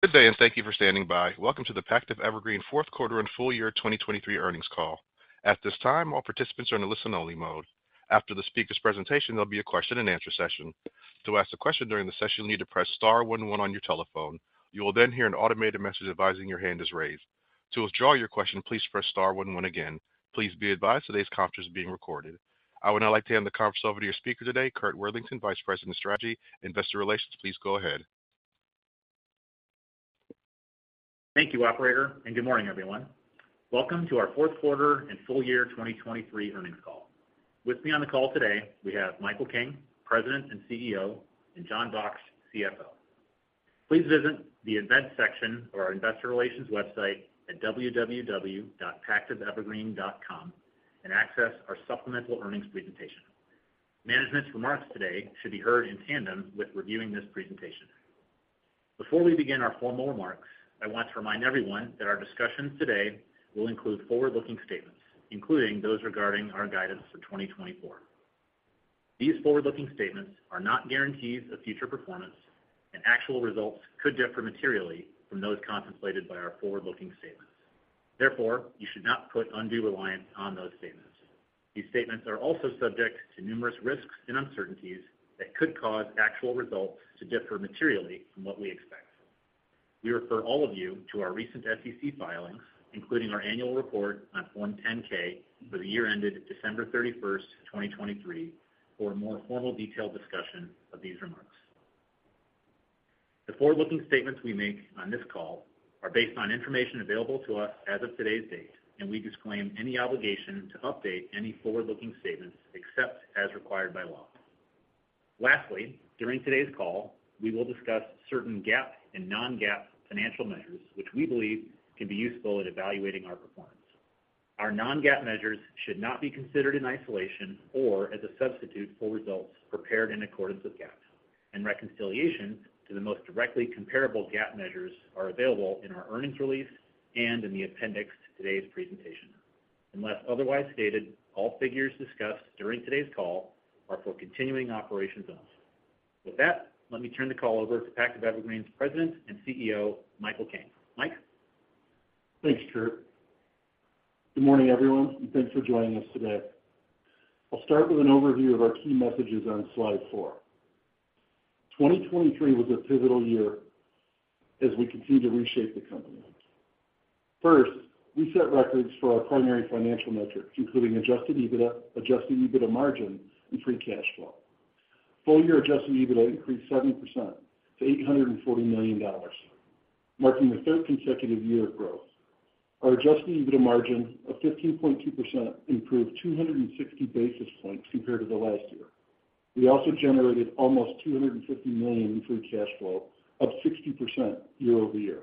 Good day and thank you for standing by. Welcome to the Pactiv Evergreen Q4 and full year 2023 earnings call. At this time, all participants are in a listen-only mode. After the speaker's presentation, there'll be a question-and-answer session. To ask a question during the session, you need to press star 11 on your telephone. You will then hear an automated message advising your hand is raised. To withdraw your question, please press star 11 again. Please be advised today's conference is being recorded. I would now like to hand the conference over to your speaker today, Curt Worthington, Vice President of Strategy and Investor Relations. Please go ahead. Thank you, operator, and good morning, everyone. Welcome to our Q4 and full year 2023 earnings call. With me on the call today, we have Michael King, President and CEO, and Jon Baksht, CFO. Please visit the event section of our Investor Relations website at www.pactivevergreen.com and access our supplemental earnings presentation. Management's remarks today should be heard in tandem with reviewing this presentation. Before we begin our formal remarks, I want to remind everyone that our discussions today will include forward-looking statements, including those regarding our guidance for 2024. These forward-looking statements are not guarantees of future performance, and actual results could differ materially from those contemplated by our forward-looking statements. Therefore, you should not put undue reliance on those statements. These statements are also subject to numerous risks and uncertainties that could cause actual results to differ materially from what we expect. We refer all of you to our recent SEC filings, including our annual report on Form 10-K for the year ended December 31st, 2023, for a more formal, detailed discussion of these remarks. The forward-looking statements we make on this call are based on information available to us as of today's date, and we disclaim any obligation to update any forward-looking statements except as required by law. Lastly, during today's call, we will discuss certain GAAP and non-GAAP financial measures, which we believe can be useful in evaluating our performance. Our non-GAAP measures should not be considered in isolation or as a substitute for results prepared in accordance with GAAP, and reconciliation to the most directly comparable GAAP measures are available in our earnings release and in the appendix to today's presentation. Unless otherwise stated, all figures discussed during today's call are for continuing operations only. With that, let me turn the call over to Pactiv Evergreen's President and CEO, Michael King. Mike? Thanks, Curt. Good morning, everyone, and thanks for joining us today. I'll start with an overview of our key messages on slide 4. 2023 was a pivotal year as we continue to reshape the company. First, we set records for our primary financial metrics, including adjusted EBITDA, adjusted EBITDA margin, and free cash flow. Full year adjusted EBITDA increased 7% to $840 million, marking the third consecutive year of growth. Our adjusted EBITDA margin of 15.2% improved 260 basis points compared to the last year. We also generated almost $250 million in free cash flow, up 60% year-over-year.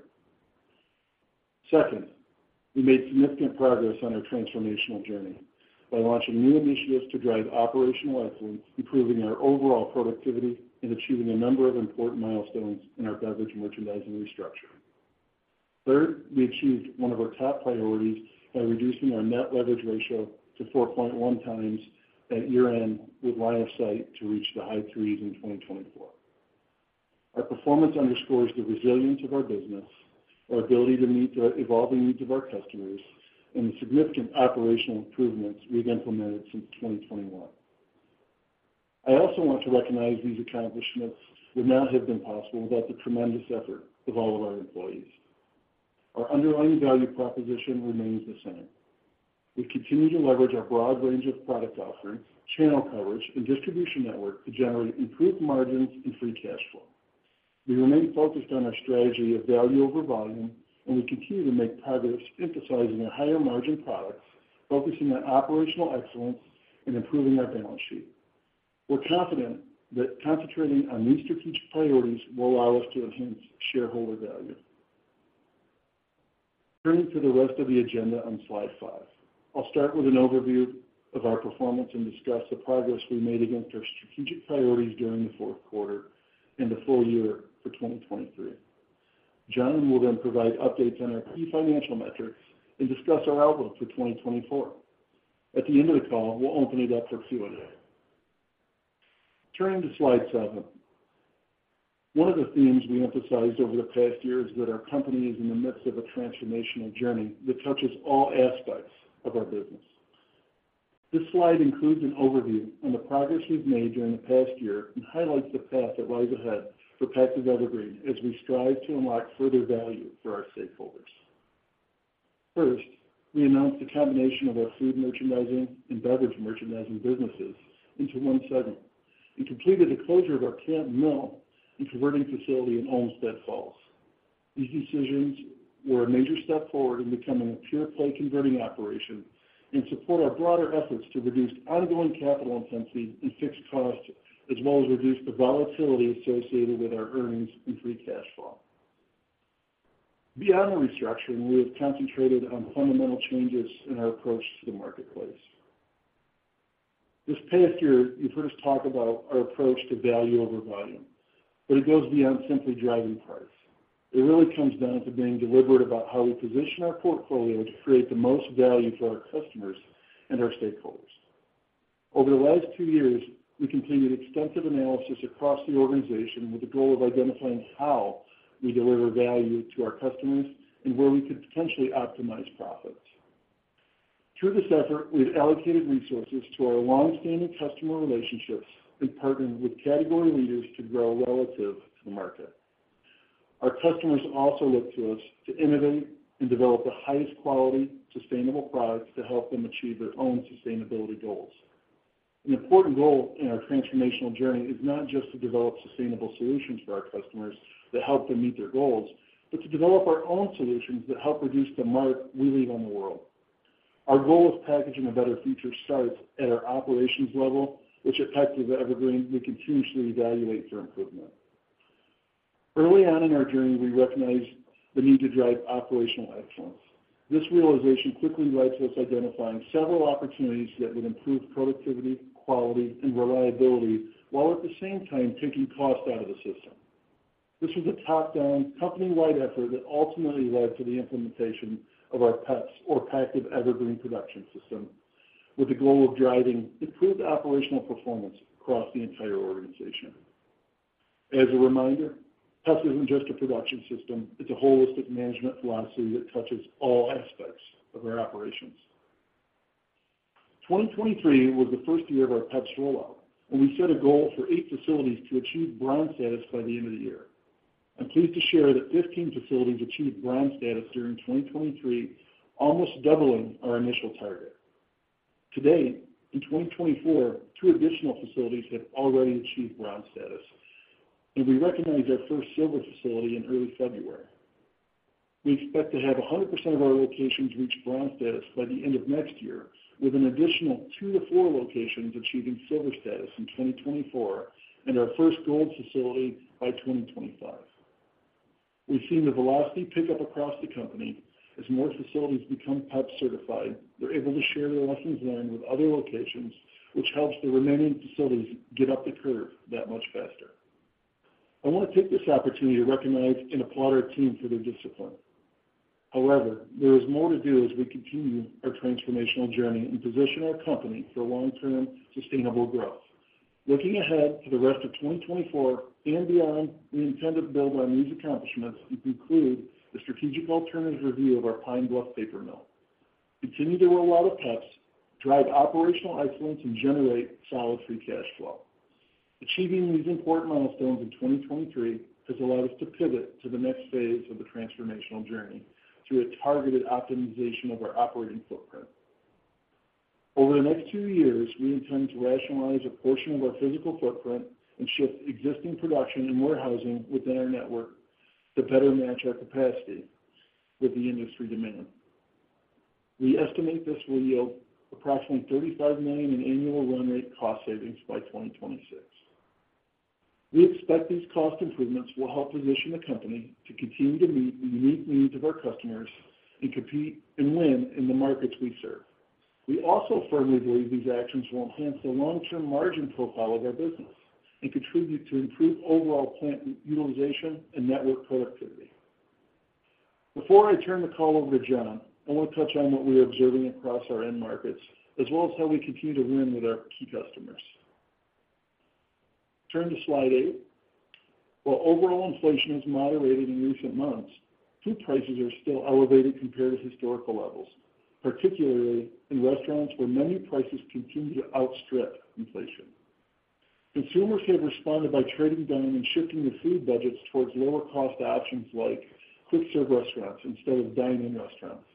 Second, we made significant progress on our transformational journey by launching new initiatives to drive operational excellence, improving our overall productivity, and achieving a number of important milestones in our Beverage Merchandising restructure. Third, we achieved one of our top priorities by reducing our Net Leverage Ratio to 4.1 times at year-end with line of sight to reach the high threes in 2024. Our performance underscores the resilience of our business, our ability to meet the evolving needs of our customers, and the significant operational improvements we've implemented since 2021. I also want to recognize these accomplishments would not have been possible without the tremendous effort of all of our employees. Our underlying value proposition remains the same. We continue to leverage our broad range of product offerings, channel coverage, and distribution network to generate improved margins and Free Cash Flow. We remain focused on our strategy of value over volume, and we continue to make progress emphasizing our higher margin products, focusing on operational excellence, and improving our balance sheet. We're confident that concentrating on these strategic priorities will allow us to enhance shareholder value. Turning to the rest of the agenda on slide 5. I'll start with an overview of our performance and discuss the progress we made against our strategic priorities during the Q4 and the full year for 2023. John will then provide updates on our key financial metrics and discuss our outlook for 2024. At the end of the call, we'll open it up for Q&A. Turning to slide 7. One of the themes we emphasized over the past year is that our company is in the midst of a transformational journey that touches all aspects of our business. This slide includes an overview on the progress we've made during the past year and highlights the path that lies ahead for Pactiv Evergreen as we strive to unlock further value for our stakeholders. First, we announced the combination of our food merchandising and Beverage Merchandising businesses into one segment and completed the closure of our Canton mill and converting facility in Olmsted Falls. These decisions were a major step forward in becoming a pure-play converting operation and support our broader efforts to reduce ongoing capital intensity and fixed costs, as well as reduce the volatility associated with our earnings and free cash flow. Beyond the restructuring, we have concentrated on fundamental changes in our approach to the marketplace. This past year, you've heard us talk about our approach to value over volume, but it goes beyond simply driving price. It really comes down to being deliberate about how we position our portfolio to create the most value for our customers and our stakeholders. Over the last two years, we completed extensive analysis across the organization with the goal of identifying how we deliver value to our customers and where we could potentially optimize profits. Through this effort, we've allocated resources to our long-standing customer relationships and partnered with category leaders to grow relative to the market. Our customers also look to us to innovate and develop the highest-quality, sustainable products to help them achieve their own sustainability goals. An important goal in our transformational journey is not just to develop sustainable solutions for our customers that help them meet their goals, but to develop our own solutions that help reduce the mark we leave on the world. Our goal of packaging a better future starts at our operations level, which at Pactiv Evergreen, we continuously evaluate for improvement. Early on in our journey, we recognized the need to drive operational excellence. This realization quickly led to us identifying several opportunities that would improve productivity, quality, and reliability while at the same time taking cost out of the system. This was a top-down, company-wide effort that ultimately led to the implementation of our PEPS, or Pactiv Evergreen Production System, with the goal of driving improved operational performance across the entire organization. As a reminder, PEPS isn't just a production system; it's a holistic management philosophy that touches all aspects of our operations. 2023 was the first year of our PEPS rollout, and we set a goal for eight facilities to achieve Bronze status by the end of the year. I'm pleased to share that 15 facilities achieved Bronze status during 2023, almost doubling our initial target. Today, in 2024, two additional facilities have already achieved Bronze status, and we recognized our first silver facility in early February. We expect to have 100% of our locations reach Bronze status by the end of next year, with an additional 2-4 locations achieving silver status in 2024 and our first gold facility by 2025. We've seen the velocity pick up across the company as more facilities become PEPS certified. They're able to share their lessons learned with other locations, which helps the remaining facilities get up the curve that much faster. I want to take this opportunity to recognize and applaud our team for their discipline. However, there is more to do as we continue our transformational journey and position our company for long-term, sustainable growth. Looking ahead to the rest of 2024 and beyond, we intend to build on these accomplishments and conclude the strategic alternative review of our Pine Bluff Paper Mill, continue to roll out of PEPS, drive operational excellence, and generate solid Free Cash Flow. Achieving these important milestones in 2023 has allowed us to pivot to the next phase of the transformational journey through a targeted optimization of our operating footprint. Over the next two years, we intend to rationalize a portion of our physical footprint and shift existing production and warehousing within our network to better match our capacity with the industry demand. We estimate this will yield approximately $35 million in annual run-rate cost savings by 2026. We expect these cost improvements will help position the company to continue to meet the unique needs of our customers and compete and win in the markets we serve. We also firmly believe these actions will enhance the long-term margin profile of our business and contribute to improved overall plant utilization and network productivity. Before I turn the call over to John, I want to touch on what we are observing across our end markets, as well as how we continue to win with our key customers. Turn to Slide 8. While overall inflation has moderated in recent months, food prices are still elevated compared to historical levels, particularly in restaurants where menu prices continue to outstrip inflation. Consumers have responded by trading down and shifting their food budgets towards lower-cost options like quick-serve restaurants instead of dine-in restaurants,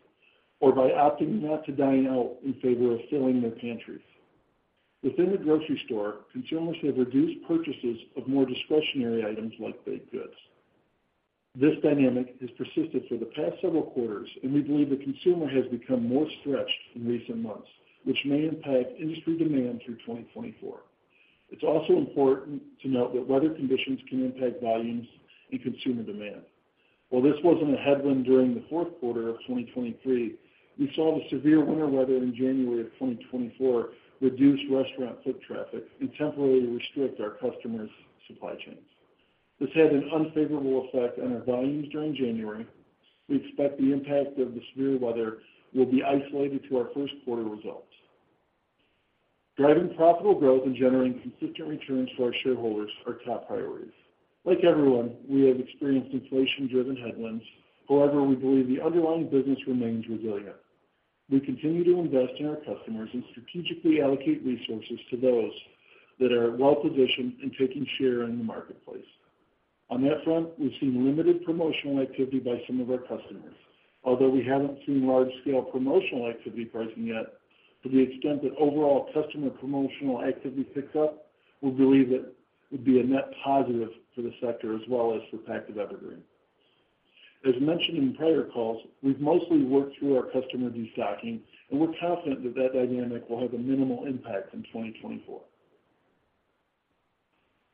or by opting not to dine out in favor of filling their pantries. Within the grocery store, consumers have reduced purchases of more discretionary items like baked goods. This dynamic has persisted for the past several quarters, and we believe the consumer has become more stretched in recent months, which may impact industry demand through 2024. It's also important to note that weather conditions can impact volumes and consumer demand. While this wasn't a headwind during the Q4 of 2023, we saw the severe winter weather in January of 2024 reduce restaurant foot traffic and temporarily restrict our customers' supply chains. This had an unfavorable effect on our volumes during January. We expect the impact of the severe weather will be isolated to our Q1 results. Driving profitable growth and generating consistent returns for our shareholders are top priorities. Like everyone, we have experienced inflation-driven headwinds. However, we believe the underlying business remains resilient. We continue to invest in our customers and strategically allocate resources to those that are well-positioned and taking share in the marketplace. On that front, we've seen limited promotional activity by some of our customers, although we haven't seen large-scale promotional activity pricing yet. To the extent that overall customer promotional activity picks up, we believe that would be a net positive for the sector as well as for Pactiv Evergreen. As mentioned in prior calls, we've mostly worked through our customer destocking, and we're confident that that dynamic will have a minimal impact in 2024.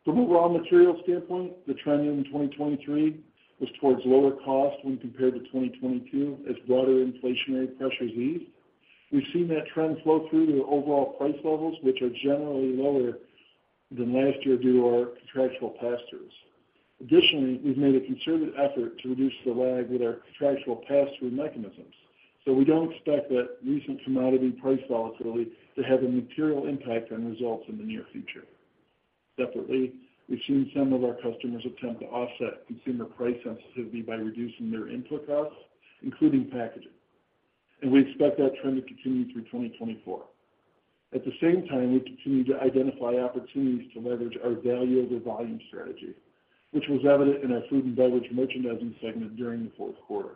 From a raw materials standpoint, the trend in 2023 was towards lower cost when compared to 2022 as broader inflationary pressures eased. We've seen that trend flow through to overall price levels, which are generally lower than last year due to our contractual pass-throughs. Additionally, we've made a conservative effort to reduce the lag with our contractual pass-through mechanisms, so we don't expect that recent commodity price volatility to have a material impact on results in the near future. Separately, we've seen some of our customers attempt to offset consumer price sensitivity by reducing their input costs, including packaging, and we expect that trend to continue through 2024. At the same time, we continue to identify opportunities to leverage our value-over-volume strategy, which was evident in our Food and Beverage Merchandising segment during the Q4.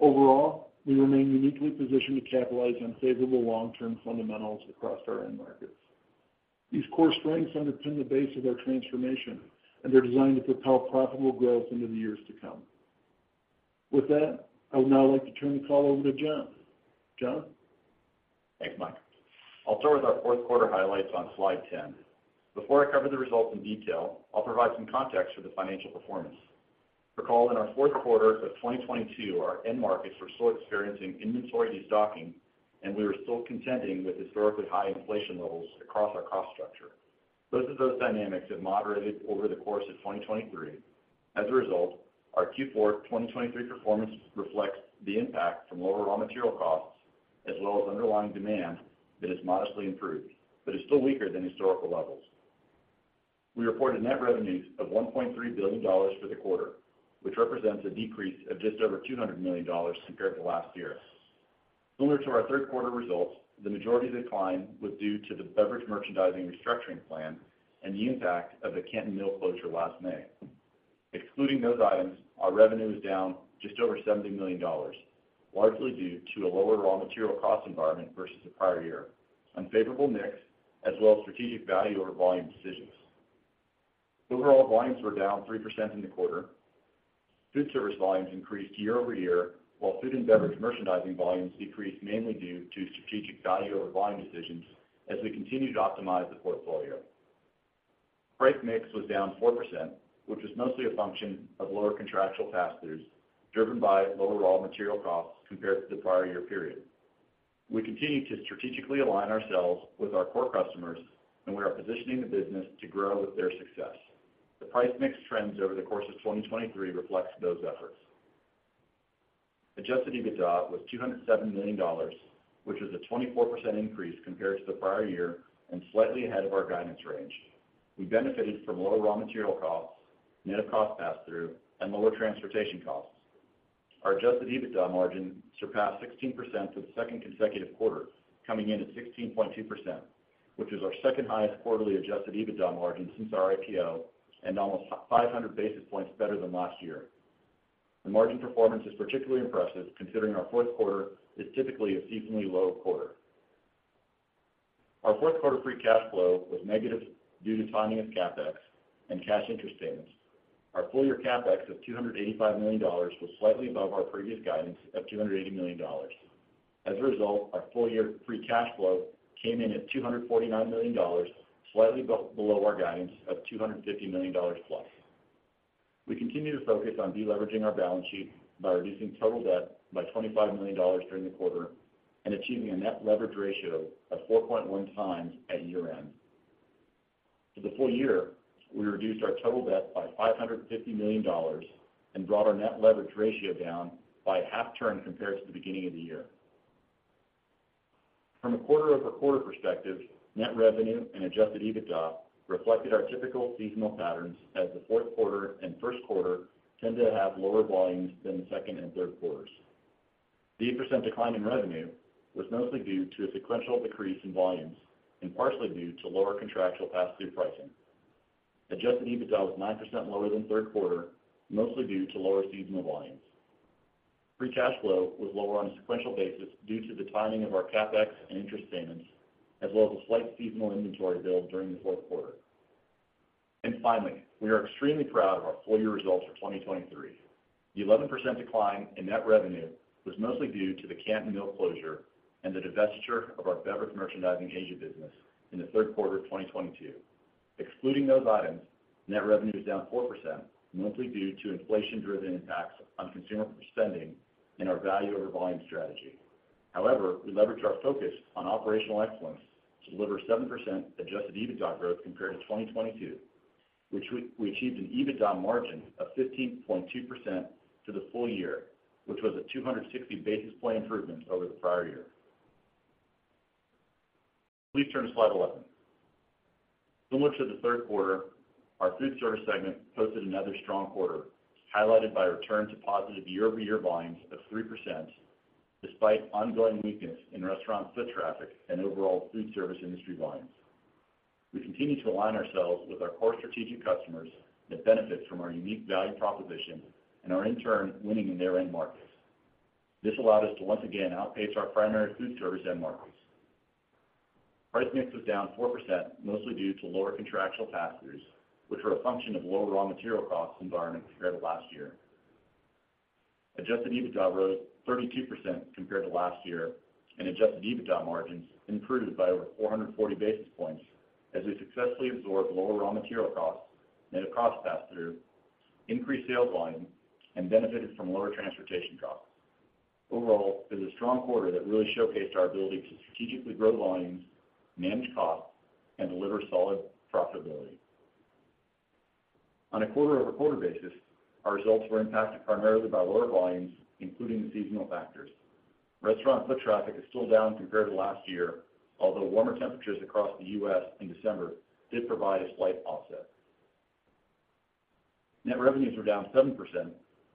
Overall, we remain uniquely positioned to capitalize on favorable long-term fundamentals across our end markets. These core strengths underpin the base of our transformation and are designed to propel profitable growth into the years to come. With that, I would now like to turn the call over to John. John? Thanks, Mike. I'll start with our Q4 highlights on slide 10. Before I cover the results in detail, I'll provide some context for the financial performance. Recall, in our Q4 of 2022, our end markets were still experiencing inventory destocking, and we were still contending with historically high inflation levels across our cost structure. Both of those dynamics have moderated over the course of 2023. As a result, our Q4 2023 performance reflects the impact from lower raw material costs as well as underlying demand that has modestly improved but is still weaker than historical levels. We reported net revenues of $1.3 billion for the quarter, which represents a decrease of just over $200 million compared to last year. Similar to our Q3 results, the majority decline was due to the Beverage Merchandising restructuring plan and the impact of the Canton Mill closure last May. Excluding those items, our revenue is down just over $70 million, largely due to a lower raw material cost environment versus the prior year, unfavorable mix, as well as strategic value-over-volume decisions. Overall volumes were down 3% in the quarter. Foodservice volumes increased year-over-year, while Food and Beverage Merchandising volumes decreased mainly due to strategic value-over-volume decisions as we continue to optimize the portfolio. Price mix was down 4%, which was mostly a function of lower contractual pass-throughs driven by lower raw material costs compared to the prior year period. We continue to strategically align ourselves with our core customers, and we are positioning the business to grow with their success. The price mix trends over the course of 2023 reflect those efforts. Adjusted EBITDA was $207 million, which was a 24% increase compared to the prior year and slightly ahead of our guidance range. We benefited from lower raw material costs, net of cost pass-through, and lower transportation costs. Our Adjusted EBITDA margin surpassed 16% for the second consecutive quarter, coming in at 16.2%, which was our second-highest quarterly Adjusted EBITDA margin since our IPO and almost 500 basis points better than last year. The margin performance is particularly impressive considering our Q4 is typically a seasonally low quarter. Our Q4 Free Cash Flow was negative due to timing of CapEx and cash interest statements. Our full-year CapEx of $285 million was slightly above our previous guidance of $280 million. As a result, our full-year Free Cash Flow came in at $249 million, slightly below our guidance of $250 million plus. We continue to focus on deleveraging our balance sheet by reducing total debt by $25 million during the quarter and achieving a Net Leverage Ratio of 4.1 times at year-end. For the full year, we reduced our total debt by $550 million and brought our Net Leverage Ratio down by a half-turn compared to the beginning of the year. From a quarter-over-quarter perspective, net revenue and Adjusted EBITDA reflected our typical seasonal patterns as the Q4 and Q1 tend to have lower volumes than the second and Q3. The 8% decline in revenue was mostly due to a sequential decrease in volumes and partially due to lower contractual pass-through pricing. Adjusted EBITDA was 9% lower than Q3, mostly due to lower seasonal volumes. Free Cash Flow was lower on a sequential basis due to the timing of our CapEx and interest statements, as well as a slight seasonal inventory build during the Q4. Finally, we are extremely proud of our full-year results for 2023. The 11% decline in net revenue was mostly due to the Canton Mill closure and the divestiture of our Beverage Merchandising Asia business in the Q3 of 2022. Excluding those items, net revenue is down 4%, mostly due to inflation-driven impacts on consumer spending and our value-over-volume strategy. However, we leveraged our focus on operational excellence to deliver 7% Adjusted EBITDA growth compared to 2022, which we achieved an EBITDA margin of 15.2% for the full year, which was a 260 basis point improvement over the prior year. Please turn to slide 11. Similar to the Q3, our Foodservice segment posted another strong quarter, highlighted by a return to positive year-over-year volumes of 3% despite ongoing weakness in restaurant foot traffic and overall Foodservice industry volumes. We continue to align ourselves with our core strategic customers that benefit from our unique value proposition and are, in turn, winning in their end markets. This allowed us to once again outpace our primary Foodservice end markets. Price mix was down 4%, mostly due to lower contractual pass-throughs, which were a function of lower raw material cost environment compared to last year. Adjusted EBITDA rose 32% compared to last year, and adjusted EBITDA margins improved by over 440 basis points as we successfully absorbed lower raw material costs, net of cost pass-through, increased sales volume, and benefited from lower transportation costs. Overall, it was a strong quarter that really showcased our ability to strategically grow volumes, manage costs, and deliver solid profitability. On a quarter-over-quarter basis, our results were impacted primarily by lower volumes, including the seasonal factors. Restaurant foot traffic is still down compared to last year, although warmer temperatures across the U.S. in December did provide a slight offset. Net revenues were down 7%,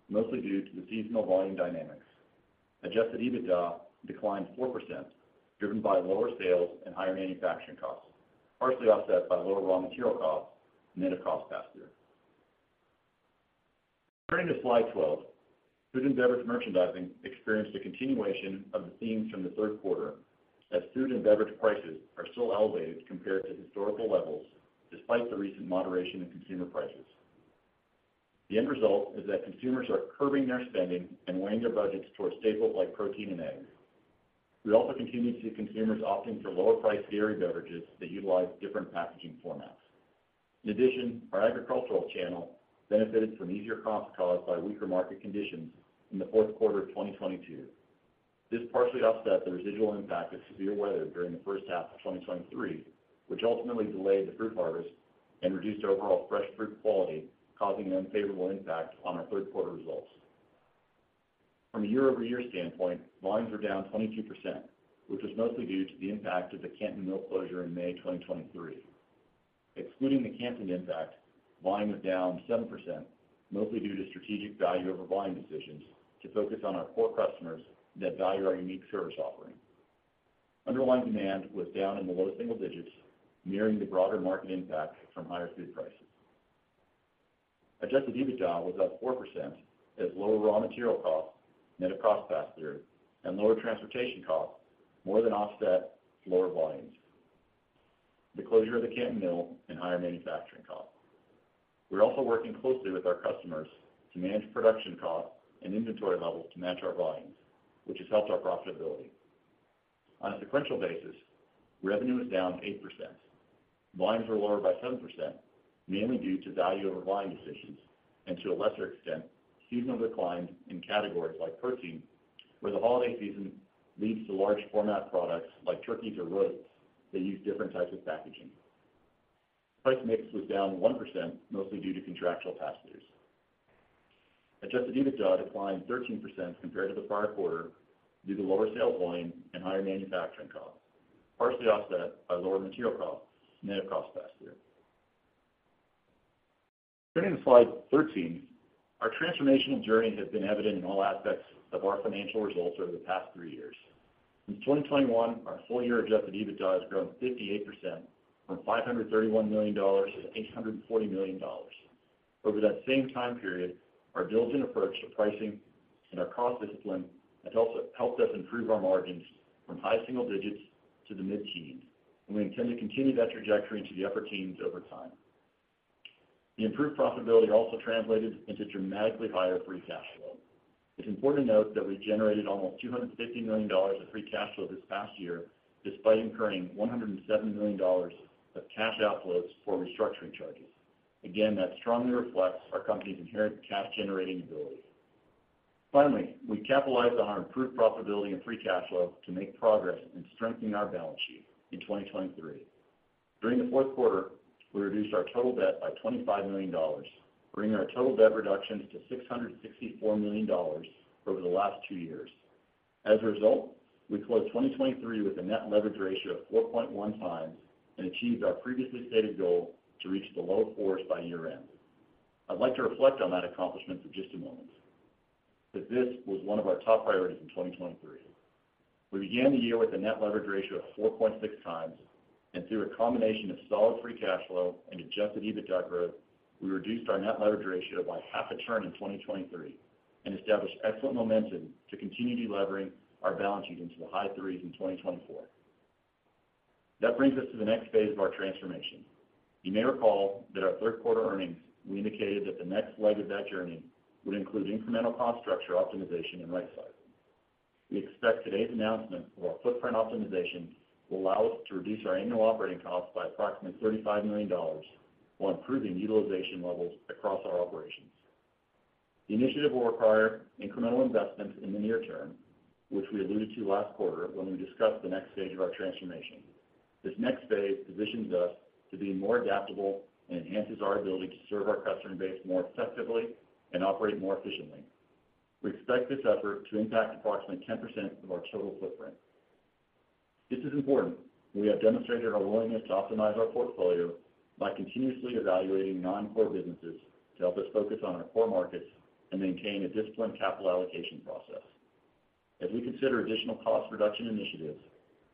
mostly due to the seasonal volume dynamics. Adjusted EBITDA declined 4%, driven by lower sales and higher manufacturing costs, partially offset by lower raw material costs and net of cost pass-through. Turning to slide 12, Food and Beverage Merchandising experienced a continuation of the themes from the Q3 as food and beverage prices are still elevated compared to historical levels despite the recent moderation in consumer prices. The end result is that consumers are curbing their spending and weighing their budgets towards staples like protein and eggs. We also continue to see consumers opting for lower-priced dairy beverages that utilize different packaging formats. In addition, our agricultural channel benefited from easier costs caused by weaker market conditions in the Q4 of 2022. This partially offset the residual impact of severe weather during the first half of 2023, which ultimately delayed the fruit harvest and reduced overall fresh fruit quality, causing an unfavorable impact on our Q3 results. From a year-over-year standpoint, volumes were down 22%, which was mostly due to the impact of the Canton Mill closure in May 2023. Excluding the Canton impact, volume was down 7%, mostly due to strategic value-over-volume decisions to focus on our core customers that value our unique service offering. Underlying demand was down in the low single digits, mirroring the broader market impact from higher food prices. Adjusted EBITDA was up 4% as lower raw material costs, net of cost pass-through, and lower transportation costs more than offset lower volumes, the closure of the Canton Mill, and higher manufacturing costs. We're also working closely with our customers to manage production costs and inventory levels to match our volumes, which has helped our profitability. On a sequential basis, revenue was down 8%. Volumes were lower by 7%, mainly due to value-over-volume decisions and, to a lesser extent, seasonal declines in categories like protein, where the holiday season leads to large-format products like turkeys or roasts that use different types of packaging. Price mix was down 1%, mostly due to contractual pass-throughs. Adjusted EBITDA declined 13% compared to the prior quarter due to lower sales volume and higher manufacturing costs, partially offset by lower material costs, net of cost pass-through. Turning to slide 13, our transformational journey has been evident in all aspects of our financial results over the past three years. Since 2021, our full-year Adjusted EBITDA has grown 58% from $531 million to $840 million. Over that same time period, our diligent approach to pricing and our cost discipline has helped us improve our margins from high single digits to the mid-teens, and we intend to continue that trajectory into the upper teens over time. The improved profitability also translated into dramatically higher Free Cash Flow. It's important to note that we generated almost $250 million of Free Cash Flow this past year despite incurring $107 million of cash outflows for restructuring charges. Again, that strongly reflects our company's inherent cash-generating ability. Finally, we capitalized on our improved profitability and Free Cash Flow to make progress in strengthening our balance sheet in 2023. During the Q4, we reduced our total debt by $25 million, bringing our total debt reductions to $664 million over the last two years. As a result, we closed 2023 with a Net Leverage Ratio of 4.1 times and achieved our previously stated goal to reach the low fours by year-end. I'd like to reflect on that accomplishment for just a moment, that this was one of our top priorities in 2023. We began the year with a Net Leverage Ratio of 4.6 times, and through a combination of solid Free Cash Flow and Adjusted EBITDA growth, we reduced our Net Leverage Ratio by half a turn in 2023 and established excellent momentum to continue delevering our balance sheet into the high threes in 2024. That brings us to the next phase of our transformation. You may recall that our Q3 earnings, we indicated that the next leg of that journey would include incremental cost structure optimization and right-sizing. We expect today's announcement of our footprint optimization will allow us to reduce our annual operating costs by approximately $35 million while improving utilization levels across our operations. The initiative will require incremental investments in the near term, which we alluded to last quarter when we discussed the next stage of our transformation. This next phase positions us to be more adaptable and enhances our ability to serve our customer base more effectively and operate more efficiently. We expect this effort to impact approximately 10% of our total footprint. This is important. We have demonstrated our willingness to optimize our portfolio by continuously evaluating non-core businesses to help us focus on our core markets and maintain a disciplined capital allocation process. As we consider additional cost reduction initiatives,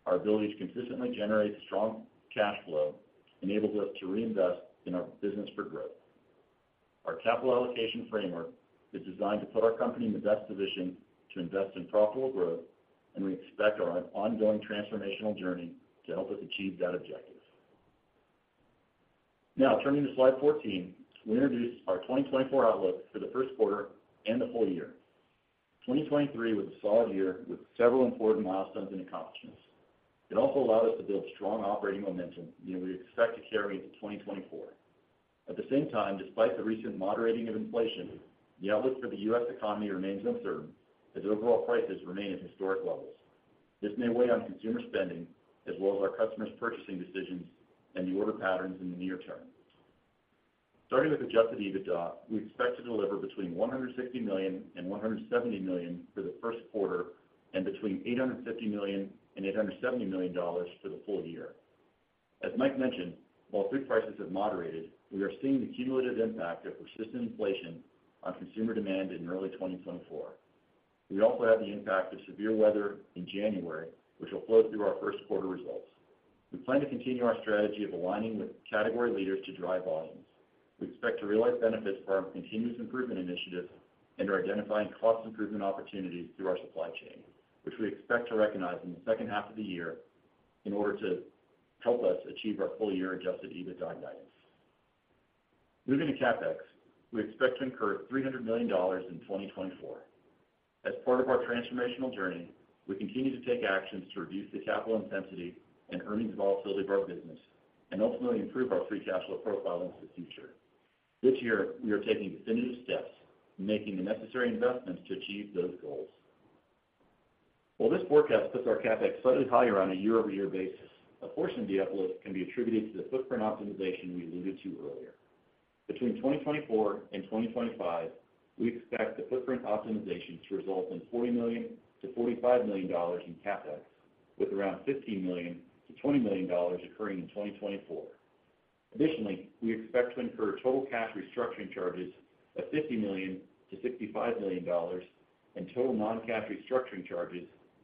our ability to consistently generate strong cash flow enables us to reinvest in our business for growth. Our capital allocation framework is designed to put our company in the best position to invest in profitable growth, and we expect our ongoing transformational journey to help us achieve that objective. Now, turning to slide 14, we introduce our 2024 outlook for the Q1 and the full year. 2023 was a solid year with several important milestones and accomplishments. It also allowed us to build strong operating momentum that we expect to carry into 2024. At the same time, despite the recent moderating of inflation, the outlook for the U.S. economy remains uncertain as overall prices remain at historic levels. This may weigh on consumer spending as well as our customers' purchasing decisions and the order patterns in the near term. Starting with Adjusted EBITDA, we expect to deliver between $160 million and $170 million for the Q1 and between $850 million and $870 million for the full year. As Mike mentioned, while food prices have moderated, we are seeing the cumulative impact of persistent inflation on consumer demand in early 2024. We also have the impact of severe weather in January, which will flow through our Q1 results. We plan to continue our strategy of aligning with category leaders to drive volumes. We expect to realize benefits from our continuous improvement initiatives and are identifying cost improvement opportunities through our supply chain, which we expect to recognize in the second half of the year in order to help us achieve our full-year Adjusted EBITDA guidance. Moving to CapEx, we expect to incur $300 million in 2024. As part of our transformational journey, we continue to take actions to reduce the capital intensity and earnings volatility of our business and ultimately improve our Free Cash Flow profile into the future. This year, we are taking definitive steps and making the necessary investments to achieve those goals. While this forecast puts our CapEx slightly higher on a year-over-year basis, a portion of the uplift can be attributed to the footprint optimization we alluded to earlier. Between 2024 and 2025, we expect the footprint optimization to result in $40 million-$45 million in CapEx, with around $15 million-$20 million occurring in 2024. Additionally, we expect to incur total cash restructuring charges of $50 million-$65 million and total non-cash restructuring charges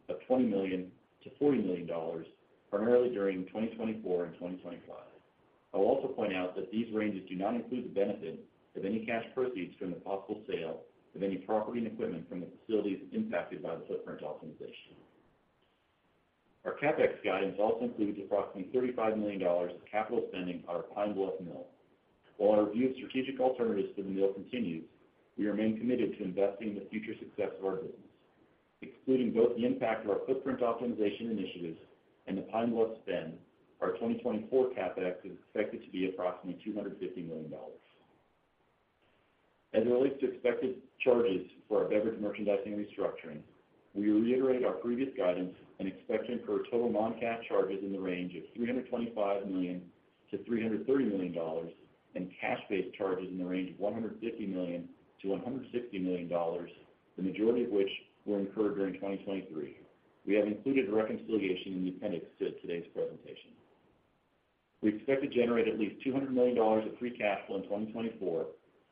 of $20 million-$40 million, primarily during 2024 and 2025. I will also point out that these ranges do not include the benefit of any cash proceeds from the possible sale of any property and equipment from the facilities impacted by the footprint optimization. Our CapEx guidance also includes approximately $35 million of capital spending on our Pine Bluff Mill. While our review of strategic alternatives for the mill continues, we remain committed to investing in the future success of our business. Excluding both the impact of our footprint optimization initiatives and the Pine Bluff spend, our 2024 CapEx is expected to be approximately $250 million. As it relates to expected charges for our Beverage Merchandising restructuring, we reiterate our previous guidance and expect to incur total non-cash charges in the range of $325 million-$330 million and cash-based charges in the range of $150 million-$160 million, the majority of which were incurred during 2023. We have included reconciliation in the appendix to today's presentation. We expect to generate at least $200 million of Free Cash Flow in 2024,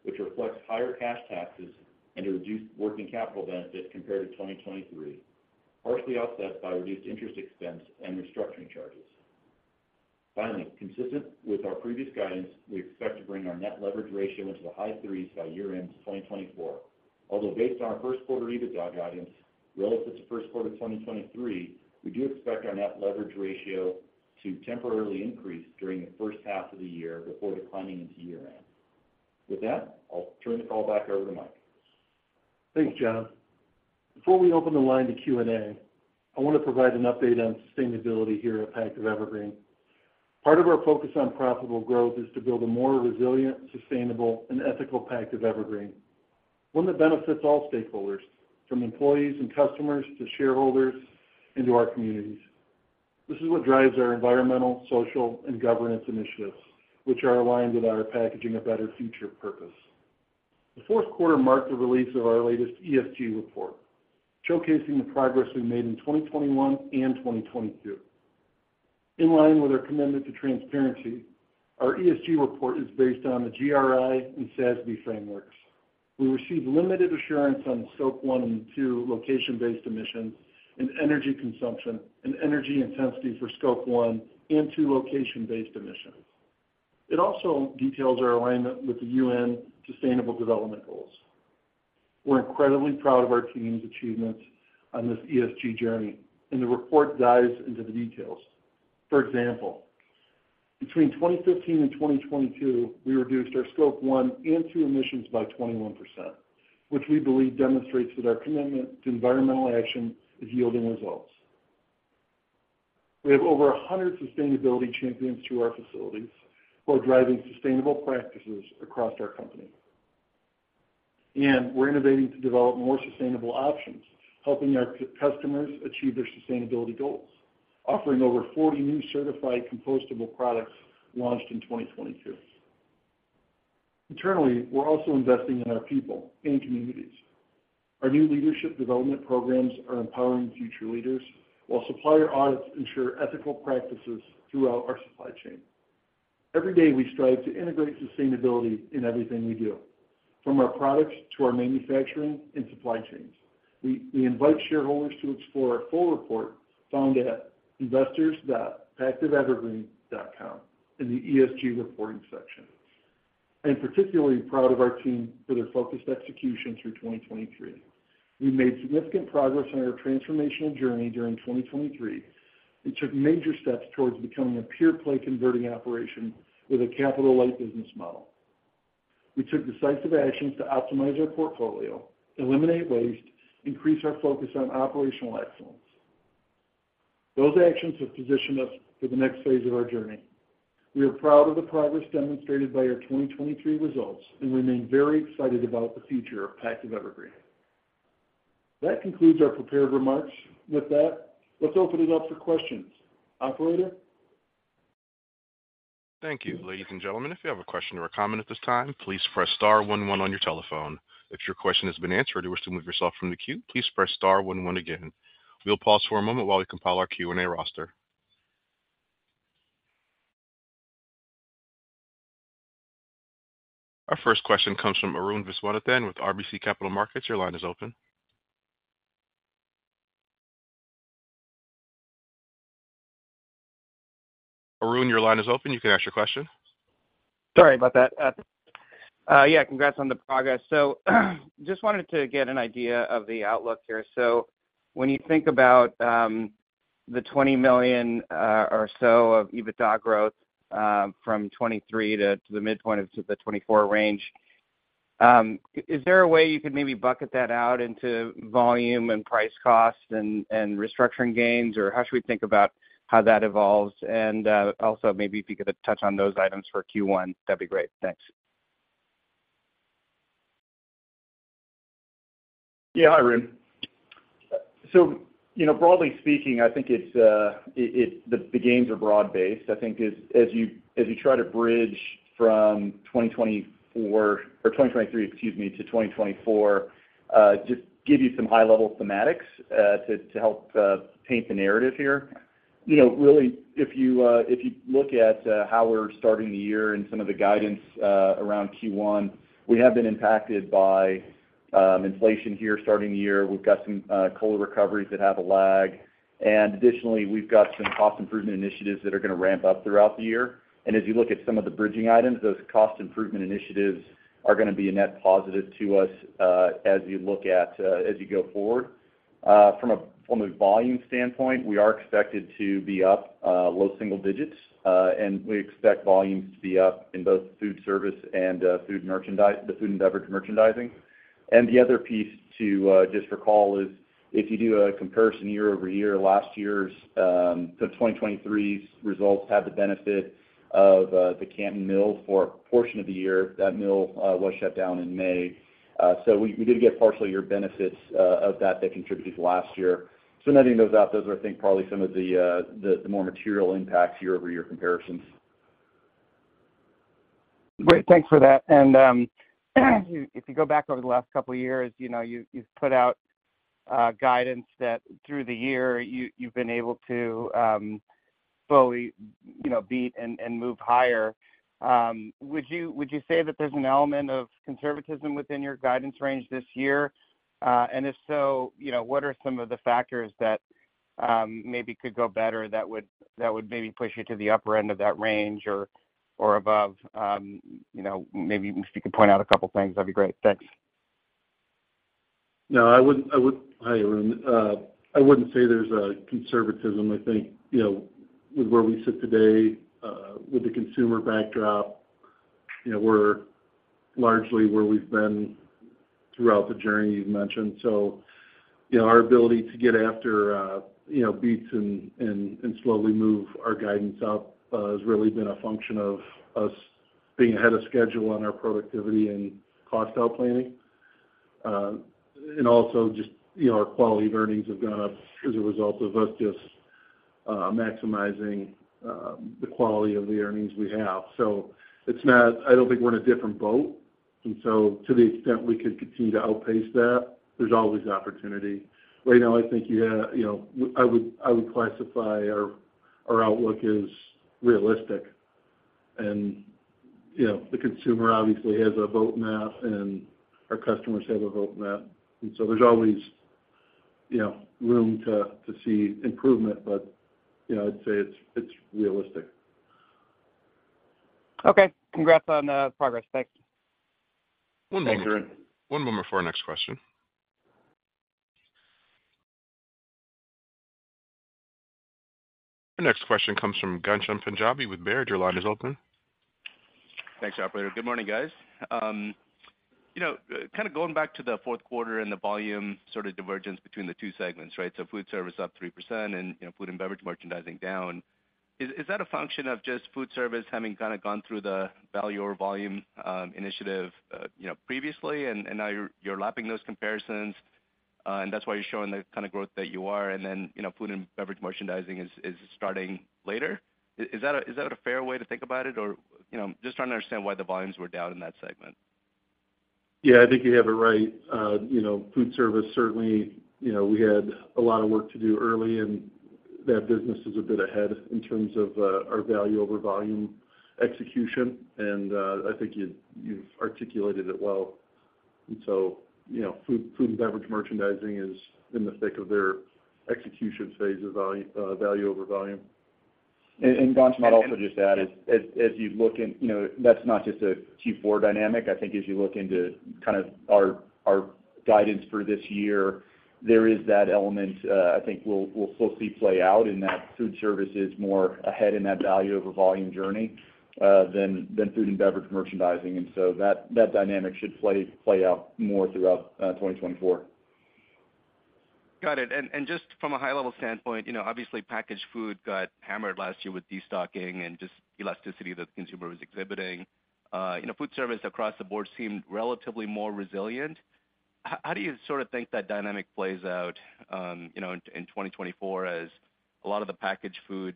which reflects higher cash taxes and a reduced working capital benefit compared to 2023, partially offset by reduced interest expense and restructuring charges. Finally, consistent with our previous guidance, we expect to bring our Net Leverage Ratio into the high threes by year-end 2024. Although based on our Q1 EBITDA guidance, relative to Q1 2023, we do expect our Net Leverage Ratio to temporarily increase during the first half of the year before declining into year-end. With that, I'll turn the call back over to Mike. Thanks, John. Before we open the line to Q&A, I want to provide an update on sustainability here at Pactiv Evergreen. Part of our focus on profitable growth is to build a more resilient, sustainable, and ethical Pactiv Evergreen, one that benefits all stakeholders, from employees and customers to shareholders and to our communities. This is what drives our environmental, social, and governance initiatives, which are aligned with our packaging a better future purpose. The Q4 marked the release of our latest ESG report, showcasing the progress we made in 2021 and 2022. In line with our commitment to transparency, our ESG report is based on the GRI and SASB frameworks. We received limited assurance on Scope 1 and Scope 2 location-based emissions and energy consumption and energy intensity for Scope 1 and Scope 2 location-based emissions. It also details our alignment with the UN Sustainable Development Goals. We're incredibly proud of our team's achievements on this ESG journey, and the report dives into the details. For example, between 2015 and 2022, we reduced our Scope 1 and Scope 2 emissions by 21%, which we believe demonstrates that our commitment to environmental action is yielding results. We have over 100 sustainability champions through our facilities who are driving sustainable practices across our company. We're innovating to develop more sustainable options, helping our customers achieve their sustainability goals, offering over 40 new certified compostable products launched in 2022. Internally, we're also investing in our people and communities. Our new leadership development programs are empowering future leaders while supplier audits ensure ethical practices throughout our supply chain. Every day, we strive to integrate sustainability in everything we do, from our products to our manufacturing and supply chains. We invite shareholders to explore our full report found at investors.pactivevergreen.com in the ESG reporting section. I am particularly proud of our team for their focused execution through 2023. We made significant progress on our transformational journey during 2023 and took major steps towards becoming a peer-play converting operation with a capital-light business model. We took decisive actions to optimize our portfolio, eliminate waste, and increase our focus on operational excellence. Those actions have positioned us for the next phase of our journey. We are proud of the progress demonstrated by our 2023 results and remain very excited about the future of Pactiv Evergreen. That concludes our prepared remarks. With that, let's open it up for questions. Operator? Thank you. Ladies and gentlemen, if you have a question or a comment at this time, please press star 11 on your telephone. If your question has been answered or you wish to move yourself from the queue, please press star 11 again. We'll pause for a moment while we compile our Q&A roster. Our first question comes from Arun Viswanathan with RBC Capital Markets. Your line is open. Arun, your line is open. You can ask your question. Sorry about that. Yeah, congrats on the progress. So just wanted to get an idea of the outlook here. So when you think about the $20 million or so of EBITDA growth from 2023 to the midpoint of the 2024 range, is there a way you could maybe bucket that out into volume and price costs and restructuring gains, or how should we think about how that evolves? And also, maybe if you could touch on those items for Q1, that'd be great. Thanks. Yeah, hi, Arun. So broadly speaking, I think the gains are broad-based. I think as you try to bridge from 2024 or 2023, excuse me, to 2024, just give you some high-level thematics to help paint the narrative here. Really, if you look at how we're starting the year and some of the guidance around Q1, we have been impacted by inflation here starting the year. We've got some coal recoveries that have a lag. And additionally, we've got some cost improvement initiatives that are going to ramp up throughout the year. And as you look at some of the bridging items, those cost improvement initiatives are going to be a net positive to us as you look at as you go forward. From a volume standpoint, we are expected to be up low single digits, and we expect volumes to be up in both Foodservice and Food and Beverage Merchandising. And the other piece to just recall is if you do a comparison year-over-year, last year's so 2023's results had the benefit of the Canton Mill for a portion of the year. That mill was shut down in May. So we did get partial year benefits of that that contributed to last year. So netting those out, those are, I think, probably some of the more material impacts year-over-year comparisons. Great. Thanks for that. And if you go back over the last couple of years, you've put out guidance that through the year, you've been able to slowly beat and move higher. Would you say that there's an element of conservatism within your guidance range this year? And if so, what are some of the factors that maybe could go better that would maybe push you to the upper end of that range or above? Maybe if you could point out a couple of things, that'd be great. Thanks. No, hi, Arun. I wouldn't say there's conservatism, I think, with where we sit today. With the consumer backdrop, we're largely where we've been throughout the journey you've mentioned. Our ability to get after beats and slowly move our guidance up has really been a function of us being ahead of schedule on our productivity and cost outplanning. Also, just our quality of earnings have gone up as a result of us just maximizing the quality of the earnings we have. I don't think we're in a different boat. To the extent we could continue to outpace that, there's always opportunity. Right now, I think you have I would classify our outlook as realistic. The consumer obviously has a vote map, and our customers have a vote map. There's always room to see improvement, but I'd say it's realistic. Okay. Congrats on the progress. Thanks. One moment for our next question. Our next question comes from Ghansham Panjabi with Baird. Your line is open. Thanks, Operator. Good morning, guys. Kind of going back to the Q4 and the volume sort of divergence between the two segments, right? So Foodservice up 3% and Food and Beverage Merchandising down. Is that a function of just Foodservice having kind of gone through the value or volume initiative previously, and now you're lapping those comparisons, and that's why you're showing the kind of growth that you are, and then Food and Beverage Merchandising is starting later? Is that a fair way to think about it, or just trying to understand why the volumes were down in that segment? Yeah, I think you have it right. Food service, certainly, we had a lot of work to do early, and that business is a bit ahead in terms of our value over volume execution. And I think you've articulated it well. And so Food and Beverage Merchandising is in the thick of their execution phase of value over volume. And Gunshan, I'd also just add, as you look in that's not just a Q4 dynamic. I think as you look into kind of our guidance for this year, there is that element, I think, will slowly play out in that Foodservice is more ahead in that value over volume journey than Food and Beverage Merchandising. And so that dynamic should play out more throughout 2024. Got it. And just from a high-level standpoint, obviously, packaged food got hammered last year with destocking and just elasticity that the consumer was exhibiting. Food service across the board seemed relatively more resilient. How do you sort of think that dynamic plays out in 2024 as a lot of the packaged food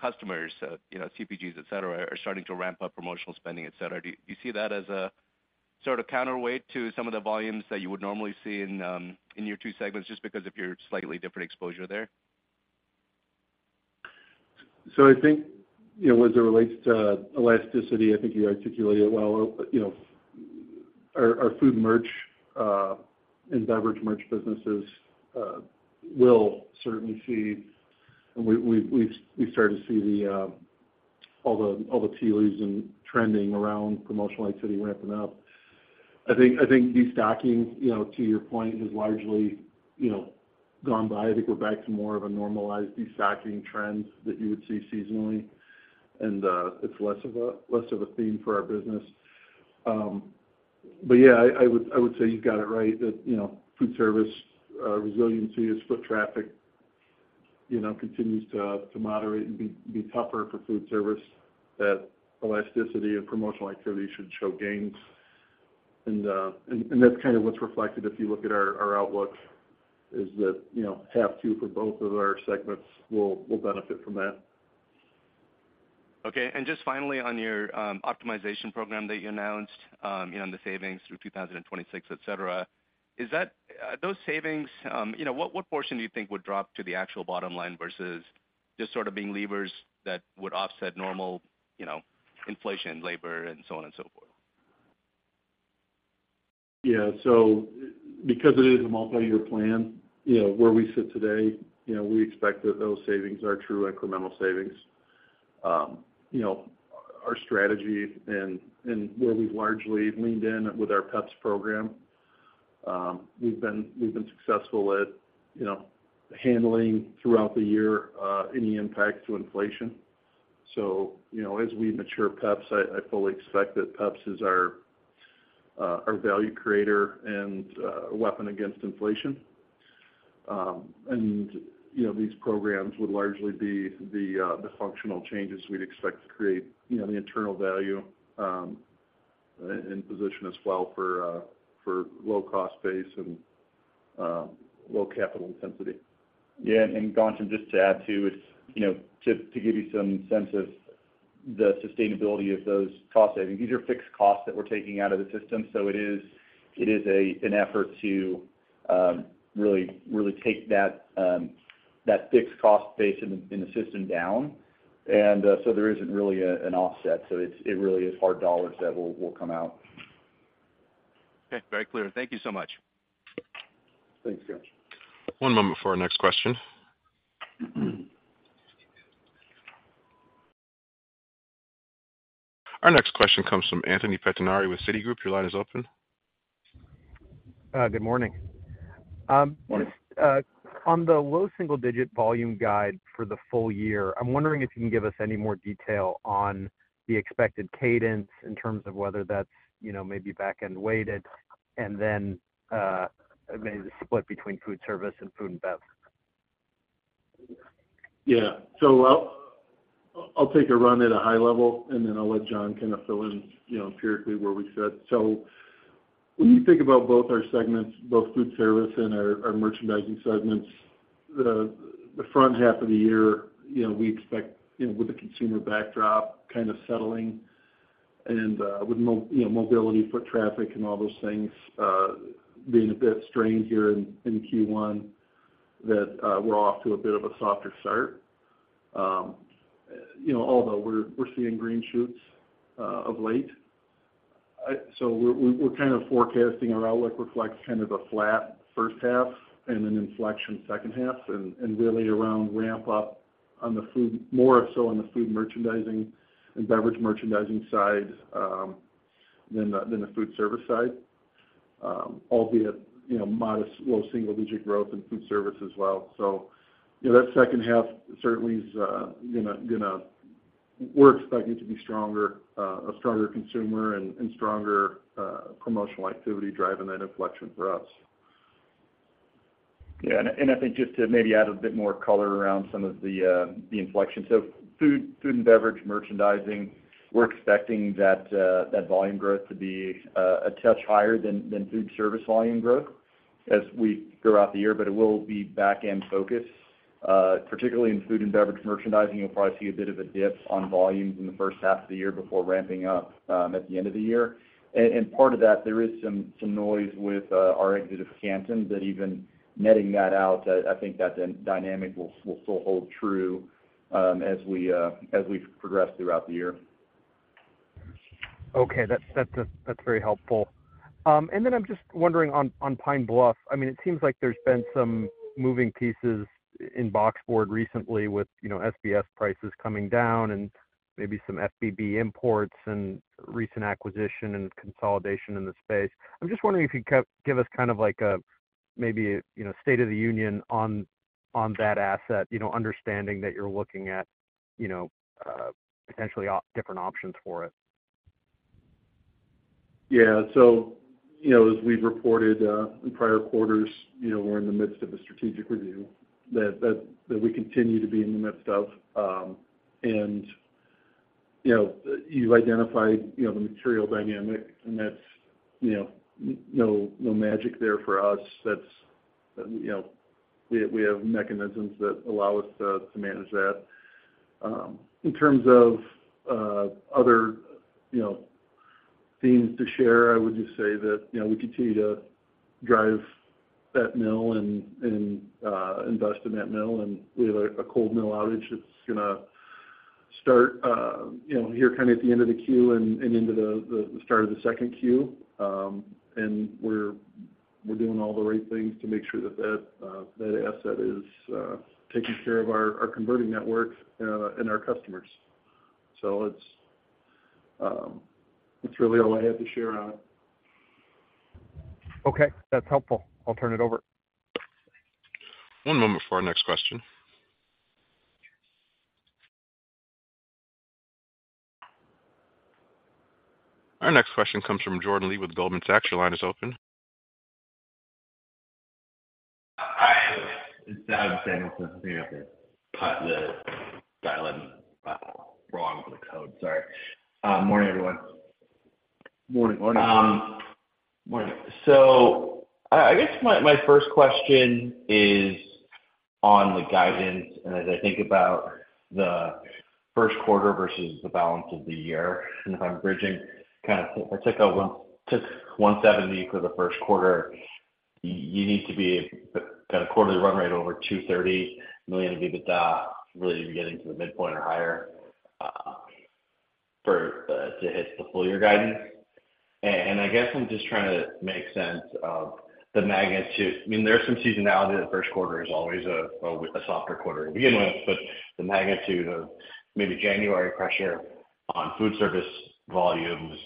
customers, CPGs, etc., are starting to ramp up promotional spending, etc.? Do you see that as a sort of counterweight to some of the volumes that you would normally see in your two segments just because of your slightly different exposure there? So I think as it relates to elasticity, I think you articulated it well. Our food merch and beverage merch businesses will certainly see. And we've started to see all the tailwinds and trends around promotional activity ramping up. I think destocking, to your point, has largely gone by. I think we're back to more of a normalized destocking trend that you would see seasonally, and it's less of a theme for our business. But yeah, I would say you've got it right, that foodservice resiliency as foot traffic continues to moderate and be tougher for foodservice, that elasticity and promotional activity should show gains. That's kind of what's reflected if you look at our outlook, is that half two for both of our segments will benefit from that. Okay. Just finally, on your optimization program that you announced on the savings through 2026, etc., those savings, what portion do you think would drop to the actual bottom line versus just sort of being levers that would offset normal inflation, labor, and so on and so forth? Yeah. So because it is a multi-year plan, where we sit today, we expect that those savings are true incremental savings. Our strategy and where we've largely leaned in with our PEPS program, we've been successful at handling throughout the year any impact to inflation. So as we mature PEPS, I fully expect that PEPS is our value creator and weapon against inflation. These programs would largely be the functional changes we'd expect to create the internal value in position as well for low-cost base and low-capital intensity. Yeah. Gunshan, just to add too, to give you some sense of the sustainability of those cost savings, these are fixed costs that we're taking out of the system. So it is an effort to really take that fixed cost base in the system down. So there isn't really an offset. So it really is hard dollars that will come out. Okay. Very clear. Thank you so much. Thanks, Gunshan. One moment for our next question. Our next question comes from Anthony Pettinari with Citigroup. Your line is open. Good morning. Morning. On the low single-digit volume guide for the full year, I'm wondering if you can give us any more detail on the expected cadence in terms of whether that's maybe back-end weighted and then maybe the split between Foodservice and food and BEV. Yeah. So I'll take a run at a high level, and then I'll let John kind of fill in empirically where we sit. So when you think about both our segments, both Foodservice and our merchandising segments, the front half of the year, we expect, with the consumer backdrop kind of settling and with mobility, foot traffic, and all those things being a bit strained here in Q1, that we're off to a bit of a softer start, although we're seeing green shoots of late. So we're kind of forecasting our outlook reflects kind of a flat first half and an inflection second half and really around ramp-up more so on the food merchandising and Beverage Merchandising side than the Foodservice side, albeit modest low single-digit growth in Foodservice as well. So that second half certainly is going to, we're expecting to be stronger, a stronger consumer, and stronger promotional activity driving that inflection for us. Yeah. And I think just to maybe add a bit more color around some of the inflection, so Food and Beverage Merchandising, we're expecting that volume growth to be a touch higher than Foodservice volume growth as we go out the year. But it will be back-end focus. Particularly in Food and Beverage Merchandising, you'll probably see a bit of a dip on volumes in the first half of the year before ramping up at the end of the year. And part of that, there is some noise with our exit of Canton that even netting that out, I think that dynamic will still hold true as we progress throughout the year. Okay. That's very helpful. And then I'm just wondering on Pine Bluff. I mean, it seems like there's been some moving pieces in boxboard recently with SBS prices coming down and maybe some FBB imports and recent acquisition and consolidation in the space. I'm just wondering if you could give us kind of maybe a state of the union on that asset, understanding that you're looking at potentially different options for it. Yeah. So as we've reported in prior quarters, we're in the midst of a strategic review that we continue to be in the midst of. And you've identified the material dynamic, and that's no magic there for us. We have mechanisms that allow us to manage that. In terms of other themes to share, I would just say that we continue to drive that mill and invest in that mill. And we have a cold mill outage that's going to start here kind of at the end of the Q and into the start of the second Q. And we're doing all the right things to make sure that that asset is taking care of our converting network and our customers. So that's really all I had to share on it. Okay. That's helpful. I'll turn it over. One moment for our next question. Our next question comes from Jordan Lee with Goldman Sachs. Your line is open. Hi. It's Adam Samuelson. There's something up there. Put the dial-in wrong for the code. Sorry. Morning, everyone. Morning. Morning. Morning. So I guess my first question is on the guidance. And as I think about the Q1 versus the balance of the year, and if I'm bridging, kind of if I took a $170 million for the Q1, you need to be at a quarterly run rate over $230 million EBITDA really to be getting to the midpoint or higher to hit the full-year guidance. And I guess I'm just trying to make sense of the magnitude. I mean, there's some seasonality. The Q1 is always a softer quarter to begin with. But the magnitude of maybe January pressure on Foodservice volumes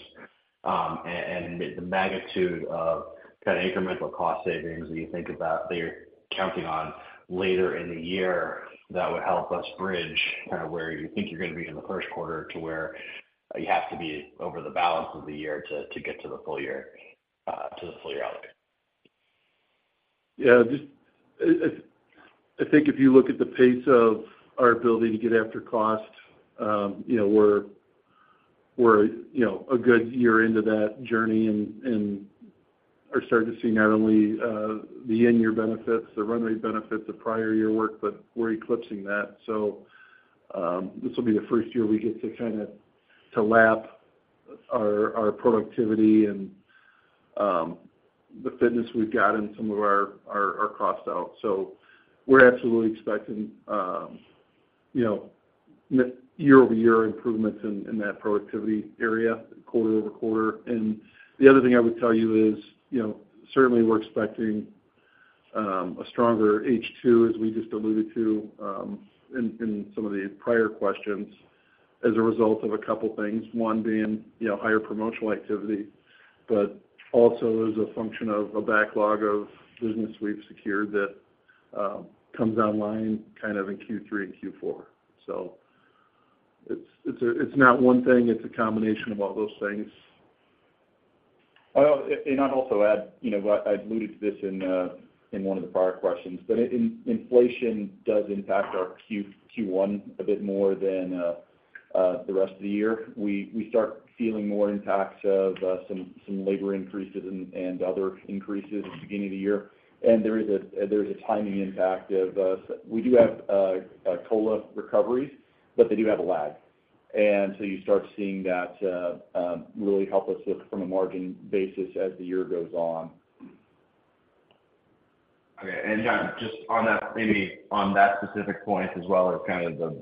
and the magnitude of kind of incremental cost savings that you think about that you're counting on later in the year that would help us bridge kind of where you think you're going to be in the Q1 to where you have to be over the balance of the year to get to the full-year outlook. Yeah. I think if you look at the pace of our ability to get after cost, we're a good year into that journey and are starting to see not only the end-year benefits, the run-rate benefits of prior-year work, but we're eclipsing that. So this will be the first year we get to kind of lap our productivity and the fitness we've got and some of our cost out. So we're absolutely expecting year-over-year improvements in that productivity area quarter-over-quarter. And the other thing I would tell you is certainly, we're expecting a stronger H2, as we just alluded to in some of the prior questions, as a result of a couple of things, one being higher promotional activity, but also as a function of a backlog of business we've secured that comes online kind of in Q3 and Q4. So it's not one thing. It's a combination of all those things. And I'd also add, I alluded to this in one of the prior questions, but inflation does impact our Q1 a bit more than the rest of the year. We start feeling more impacts of some labor increases and other increases at the beginning of the year. And there is a timing impact of we do have COLA recoveries, but they do have a lag. So you start seeing that really help us look from a margin basis as the year goes on. Okay. And just maybe on that specific point as well as kind of the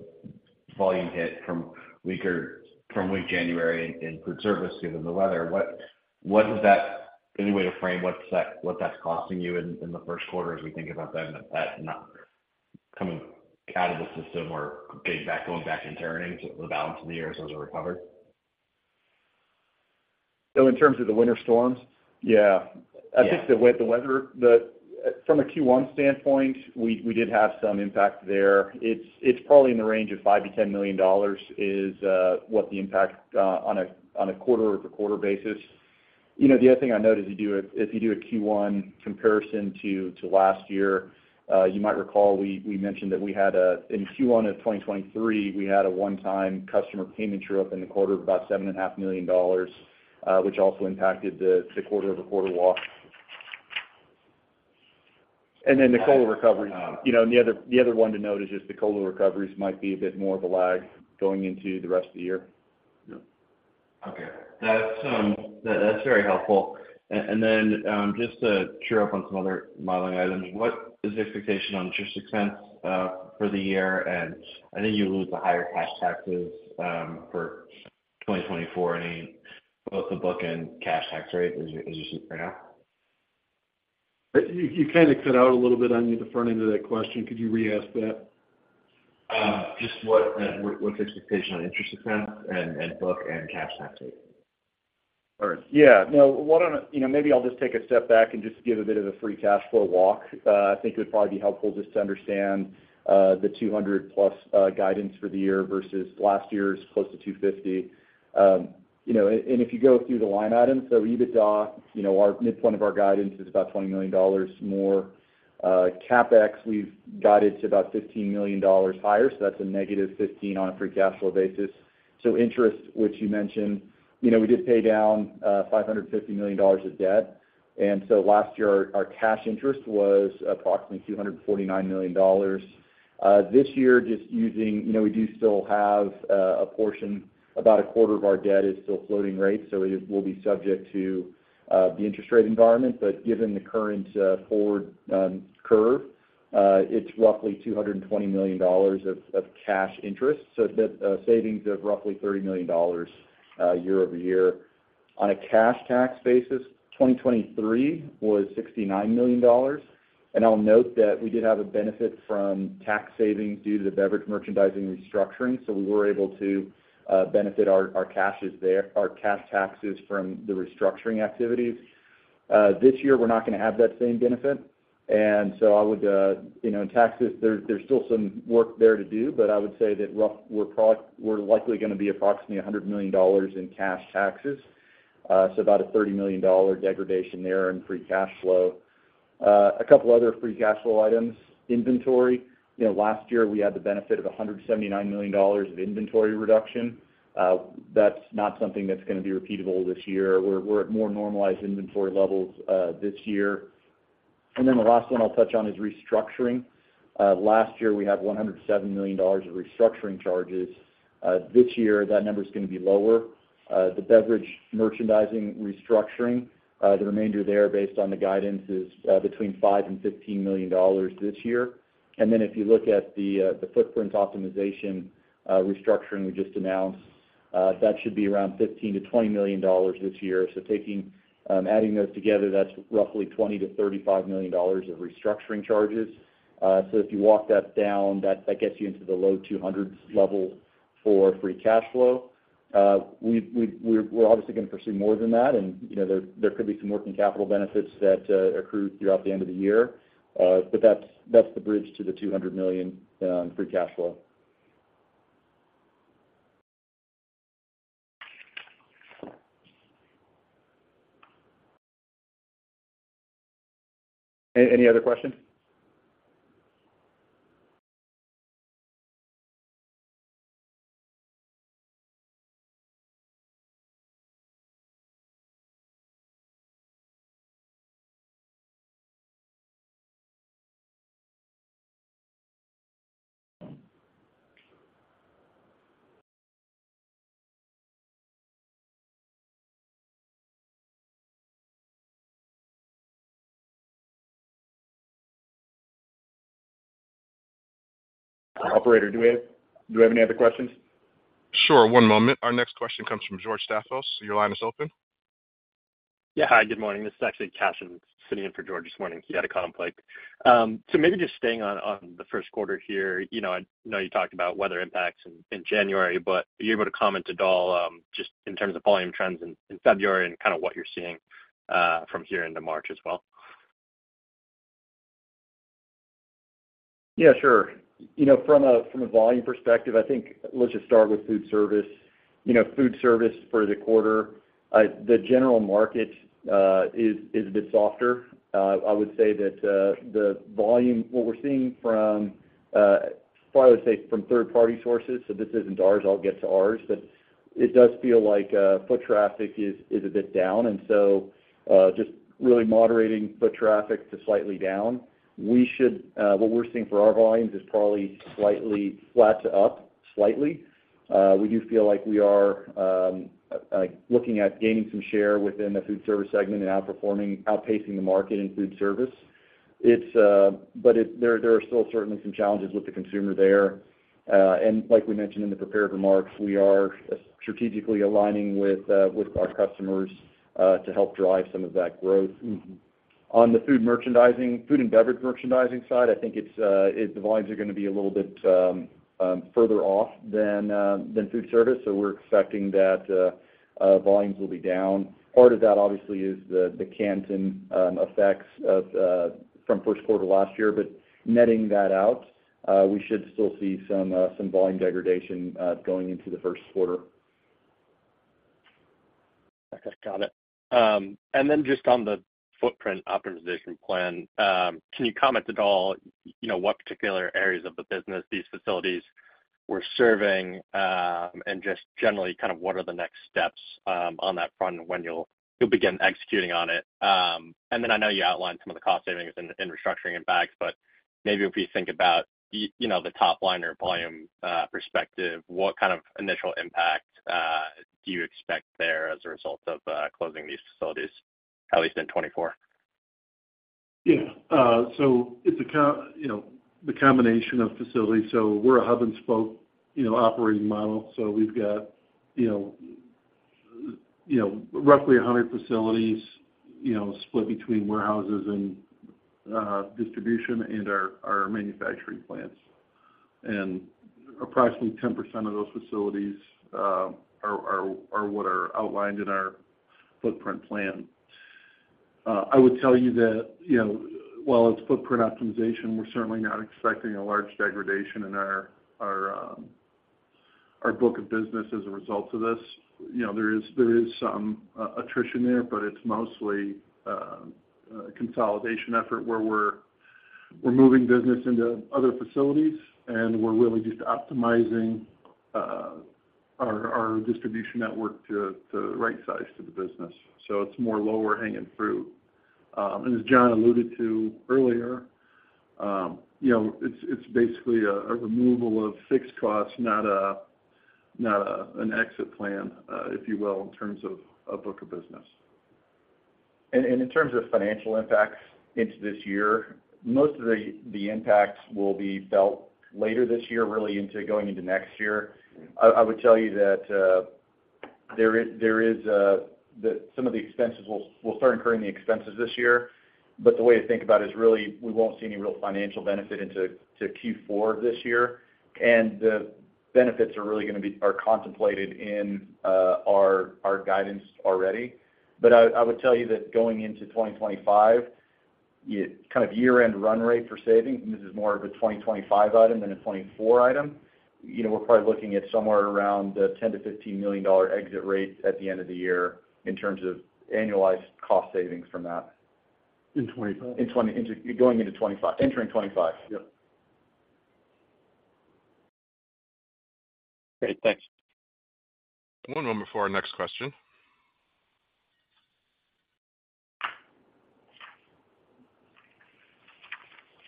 volume hit from week January in Foodservice given the weather, any way to frame what that's costing you in the Q1 as we think about that and that coming out of the system or going back and turning to the balance of the year as those are recovered? So in terms of the winter storms? Yeah. I think the weather from a Q1 standpoint, we did have some impact there. It's probably in the range of $5 million-$10 million is what the impact on a quarter-over-quarter basis. The other thing I noticed if you do a Q1 comparison to last year, you might recall we mentioned that we had in Q1 of 2023, we had a one-time customer payment drop in the quarter of about $7.5 million, which also impacted the quarter-over-quarter walk. And then the COLA recoveries. And the other one to note is just the COLA recoveries might be a bit more of a lag going into the rest of the year. Yeah. Okay. That's very helpful. And then just to check up on some other modeling items, what is the expectation on just expense for the year? And I think you allude to higher cash taxes for 2024, both the book and cash tax, right, as you see it right now? You kind of cut out a little bit on the front end of that question. Could you reask that? Just what's the expectation on interest expense and book and cash tax rate? All right. Yeah. No. Maybe I'll just take a step back and just give a bit of a free cash flow walk. I think it would probably be helpful just to understand the $200+ million guidance for the year versus last year's close to $250 million. And if you go through the line items, so EBITDA, our midpoint of our guidance is about $20 million more. CapEx, we've got it to about $15 million higher. So that's a negative $15 million on a free cash flow basis. So interest, which you mentioned, we did pay down $550 million of debt. And so last year, our cash interest was approximately $249 million. This year, just using we do still have a portion about a quarter of our debt is still floating rate. So it will be subject to the interest rate environment. But given the current forward curve, it's roughly $220 million of cash interest. So savings of roughly $30 million year-over-year. On a cash tax basis, 2023 was $69 million. And I'll note that we did have a benefit from tax savings due to the Beverage Merchandising restructuring. So we were able to benefit our cash taxes from the restructuring activities. This year, we're not going to have that same benefit. And so in taxes, there's still some work there to do. But I would say that we're likely going to be approximately $100 million in cash taxes. So about a $30 million degradation there in free cash flow. A couple of other free cash flow items, inventory. Last year, we had the benefit of $179 million of inventory reduction. That's not something that's going to be repeatable this year. We're at more normalized inventory levels this year. And then the last one I'll touch on is restructuring. Last year, we had $107 million of restructuring charges. This year, that number's going to be lower. The Beverage Merchandising restructuring, the remainder there based on the guidance is between $5 million and $15 million this year. And then if you look at the footprint optimization restructuring we just announced, that should be around $15 million-$20 million this year. So adding those together, that's roughly $20 million-$35 million of restructuring charges. So if you walk that down, that gets you into the low 200s level for free cash flow. We're obviously going to pursue more than that. And there could be some working capital benefits that accrue throughout the end of the year. But that's the bridge to the $200 million free cash flow. Any other questions? Operator, do we have any other questions? Sure. One moment. Our next question comes from George Staphos. So your line is open. Yeah. Hi. Good morning. This is actually Cashen sitting in for George this morning. He had a full plate. So maybe just staying on the Q1 here, I know you talked about weather impacts in January, but are you able to comment at all just in terms of volume trends in February and kind of what you're seeing from here into March as well? Yeah. Sure. From a volume perspective, I think let's just start with Foodservice. Food service for the quarter, the general market is a bit softer. I would say that the volume what we're seeing from probably I would say from third-party sources - so this isn't ours. I'll get to ours, but it does feel like foot traffic is a bit down. So just really moderating foot traffic to slightly down. What we're seeing for our volumes is probably slightly flat to up, slightly. We do feel like we are looking at gaining some share within the Foodservice segment and outpacing the market in Foodservice. But there are still certainly some challenges with the consumer there. And like we mentioned in the prepared remarks, we are strategically aligning with our customers to help drive some of that growth. On the Food and Beverage Merchandising side, I think the volumes are going to be a little bit further off than Foodservice. So we're expecting that volumes will be down. Part of that, obviously, is the Canton effects from Q1 last year. But netting that out, we should still see some volume degradation going into the Q1. Okay. Got it. And then just on the footprint optimization plan, can you comment at all what particular areas of the business these facilities were serving and just generally kind of what are the next steps on that front when you'll begin executing on it? And then I know you outlined some of the cost savings in restructuring and bags, but maybe if we think about the top-line or volume perspective, what kind of initial impact do you expect there as a result of closing these facilities, at least in 2024? Yeah. So it's the combination of facilities. So we're a hub-and-spoke operating model. So we've got roughly 100 facilities split between warehouses and distribution and our manufacturing plants. And approximately 10% of those facilities are what are outlined in our footprint plan. I would tell you that while it's footprint optimization, we're certainly not expecting a large degradation in our book of business as a result of this. There is some attrition there, but it's mostly a consolidation effort where we're moving business into other facilities, and we're really just optimizing our distribution network to the right size to the business. It's more low-hanging fruit. As Jon alluded to earlier, it's basically a removal of fixed costs, not an exit plan, if you will, in terms of a book of business. In terms of financial impacts into this year, most of the impacts will be felt later this year, really going into next year. I would tell you that there is some of the expenses we'll start incurring the expenses this year. But the way to think about it is really, we won't see any real financial benefit into Q4 of this year. And the benefits are really going to be contemplated in our guidance already. But I would tell you that going into 2025, kind of year-end run-rate for savings - and this is more of a 2025 item than a 2024 item - we're probably looking at somewhere around the $10 million-$15 million exit rate at the end of the year in terms of annualized cost savings from that. In 2025? In going into 2025, entering 2025. Yeah. Great. Thanks. One moment for our next question.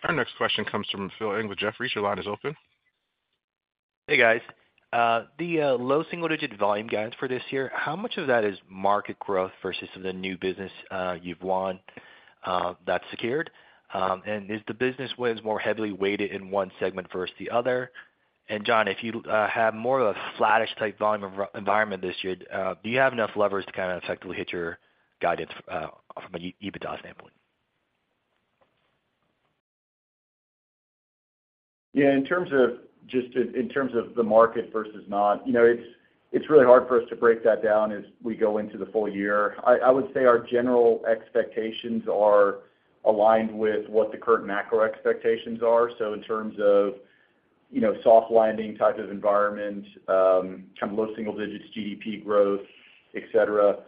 Our next question comes from Philip Ng with Jefferies. Your line is open. Hey, guys. The low single-digit volume guidance for this year, how much of that is market growth versus some of the new business you've won that's secured? And is the business wins more heavily weighted in one segment versus the other? And Jon, if you have more of a flattish-type volume environment this year, do you have enough levers to kind of effectively hit your guidance from an EBITDA standpoint? Yeah. In terms of just in terms of the market versus not, it's really hard for us to break that down as we go into the full year. I would say our general expectations are aligned with what the current macro expectations are. So in terms of soft-landing type of environment, kind of low single-digits GDP growth, etc.,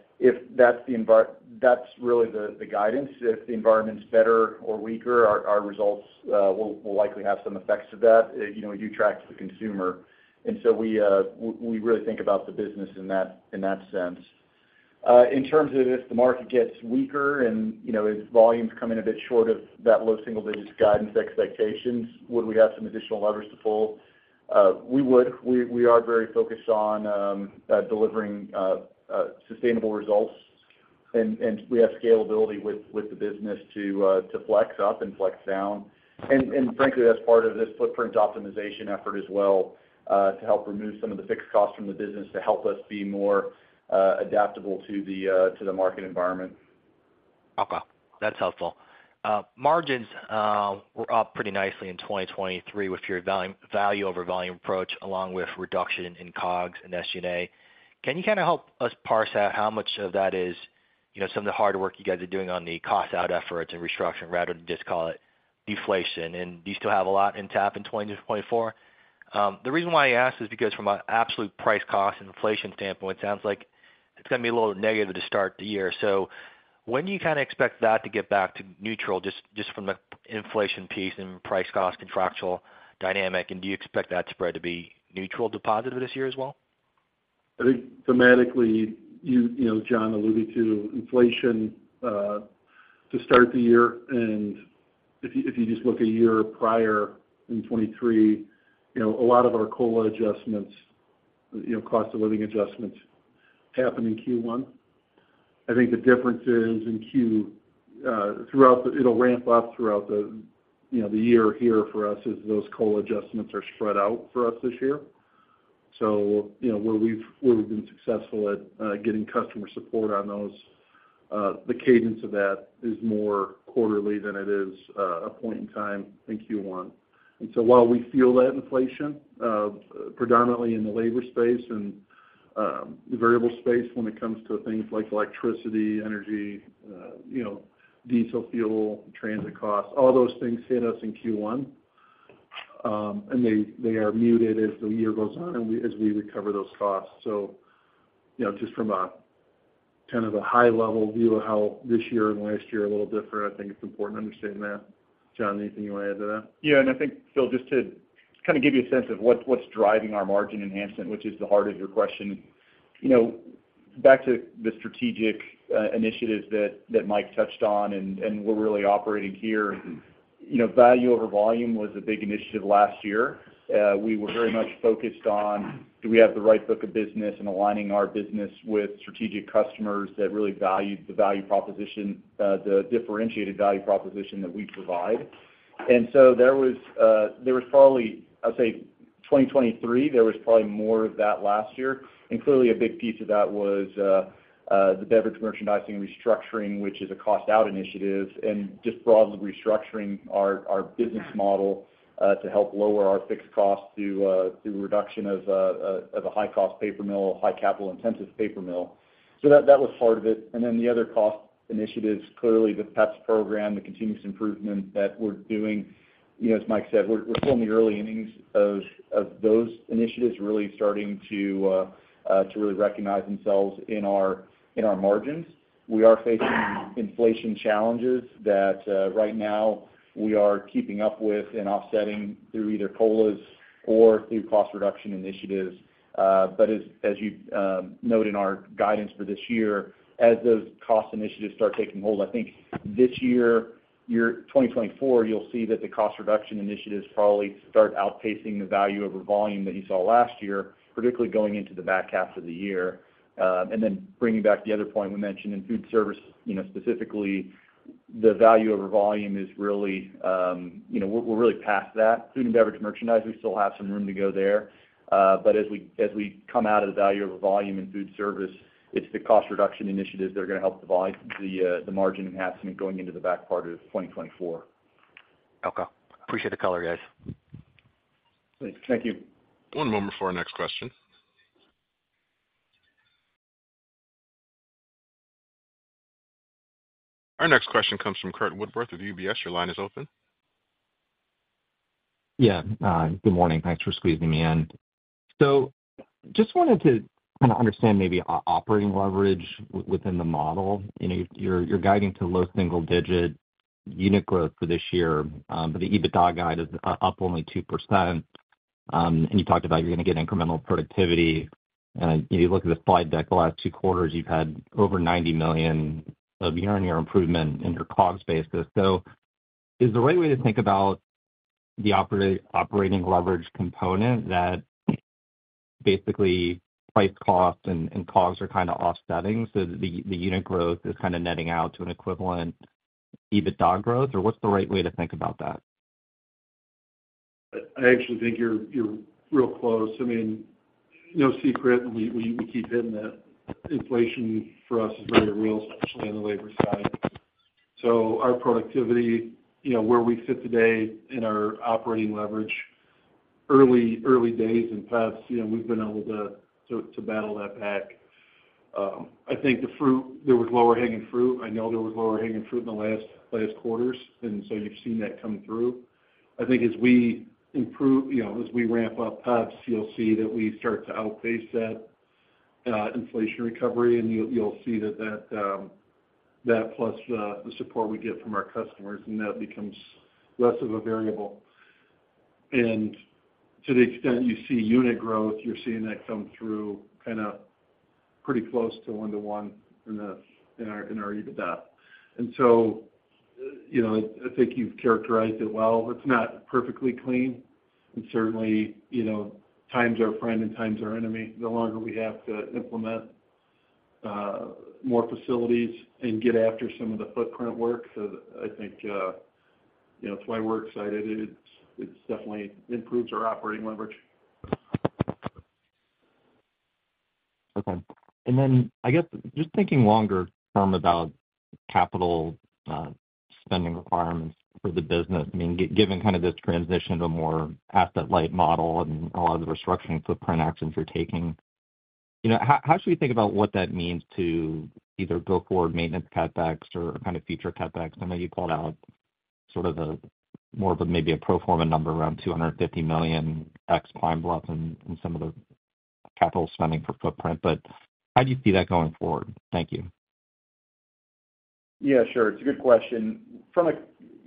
that's really the guidance. If the environment's better or weaker, our results will likely have some effects of that. We do track the consumer. So we really think about the business in that sense. In terms of if the market gets weaker and volumes come in a bit short of that low single-digits guidance expectations, would we have some additional levers to pull? We would. We are very focused on delivering sustainable results. We have scalability with the business to flex up and flex down. Frankly, that's part of this footprint optimization effort as well to help remove some of the fixed costs from the business to help us be more adaptable to the market environment. Okay. That's helpful. Margins were up pretty nicely in 2023 with your value-over-volume approach along with reduction in COGS and SG&A. Can you kind of help us parse out how much of that is some of the hard work you guys are doing on the cost-out efforts and restructuring rather than just call it deflation? Do you still have a lot on tap in 2024? The reason why I ask is because from an absolute price-cost and inflation standpoint, it sounds like it's going to be a little negative to start the year. So when do you kind of expect that to get back to neutral just from the inflation piece and price-cost contractual dynamic? And do you expect that spread to be neutral to positive this year as well? I think thematically, John alluded to inflation to start the year. And if you just look a year prior in 2023, a lot of our COLA adjustments, cost-of-living adjustments, happen in Q1. I think the differences in Q throughout the it'll ramp up throughout the year here for us as those COLA adjustments are spread out for us this year. So where we've been successful at getting customer support on those, the cadence of that is more quarterly than it is a point in time in Q1. And so while we feel that inflation predominantly in the labor space and the variable space when it comes to things like electricity, energy, diesel fuel, transit costs, all those things hit us in Q1. And they are muted as the year goes on and as we recover those costs. So just from kind of a high-level view of how this year and last year are a little different, I think it's important to understand that. John, anything you want to add to that? Yeah. And I think, Phil, just to kind of give you a sense of what's driving our margin enhancement, which is the heart of your question, back to the strategic initiatives that Mike touched on and we're really operating here, value-over-volume was a big initiative last year. We were very much focused on, do we have the right book of business and aligning our business with strategic customers that really valued the differentiated value proposition that we provide? And so there was probably I'd say 2023, there was probably more of that last year. And clearly, a big piece of that was the Beverage Merchandising restructuring, which is a cost-out initiative, and just broadly restructuring our business model to help lower our fixed costs through reduction of a high-cost paper mill, high-capital-intensive paper mill. So that was part of it. And then the other cost initiatives, clearly, the PEPS program, the continuous improvement that we're doing as Mike said, we're still in the early innings of those initiatives really starting to really recognize themselves in our margins. We are facing inflation challenges that right now we are keeping up with and offsetting through either COLAs or through cost-reduction initiatives. But as you note in our guidance for this year, as those cost initiatives start taking hold, I think this year, 2024, you'll see that the cost-reduction initiatives probably start outpacing the value-over-volume that you saw last year, particularly going into the back half of the year. And then bringing back the other point we mentioned in Foodservice, specifically, the value-over-volume is really we're really past that. Food and beverage merchandise, we still have some room to go there. But as we come out of the value-over-volume in Foodservice, it's the cost-reduction initiatives that are going to help drive the margin enhancement going into the back part of 2024. Okay. Appreciate the color, guys. Thanks. Thank you. One moment for our next question. Our next question comes from Curt Woodworth with UBS. Your line is open. Yeah. Good morning. Thanks for squeezing me in. So just wanted to kind of understand maybe operating leverage within the model. You're guiding to low single-digit unit growth for this year, but the EBITDA guide is up only 2%. And you talked about you're going to get incremental productivity. And if you look at the slide deck, the last Q2, you've had over $90 million of year-on-year improvement in your COGS basis. So is the right way to think about the operating leverage component that basically price cost and COGS are kind of offsetting so that the unit growth is kind of netting out to an equivalent EBITDA growth? Or what's the right way to think about that? I actually think you're real close. I mean, no secret, we keep hitting that. Inflation for us is very real, especially on the labor side. So our productivity, where we sit today in our operating leverage, early days in PEPS, we've been able to battle that back. I think there was lower-hanging fruit. I know there was lower-hanging fruit in the last quarters, and so you've seen that come through. I think as we improve, as we ramp up PEPS, you'll see that we start to outpace that inflation recovery. You'll see that plus the support we get from our customers, and that becomes less of a variable. And to the extent you see unit growth, you're seeing that come through kind of pretty close to 1:1 in our EBITDA. And so I think you've characterized it well. It's not perfectly clean. And certainly, times are friend and times are enemy. The longer we have to implement more facilities and get after some of the footprint work, I think it's why we're excited. It definitely improves our operating leverage. Okay. And then I guess just thinking longer-term about capital spending requirements for the business, I mean, given kind of this transition to a more asset-light model and a lot of the restructuring footprint actions you're taking, how should we think about what that means to either go forward maintenance CapEx or kind of future CapEx? I know you called out sort of more of maybe a pro forma number around $250 million ex Pine Bluff and some of the capital spending for footprint. But how do you see that going forward? Thank you. Yeah. Sure. It's a good question.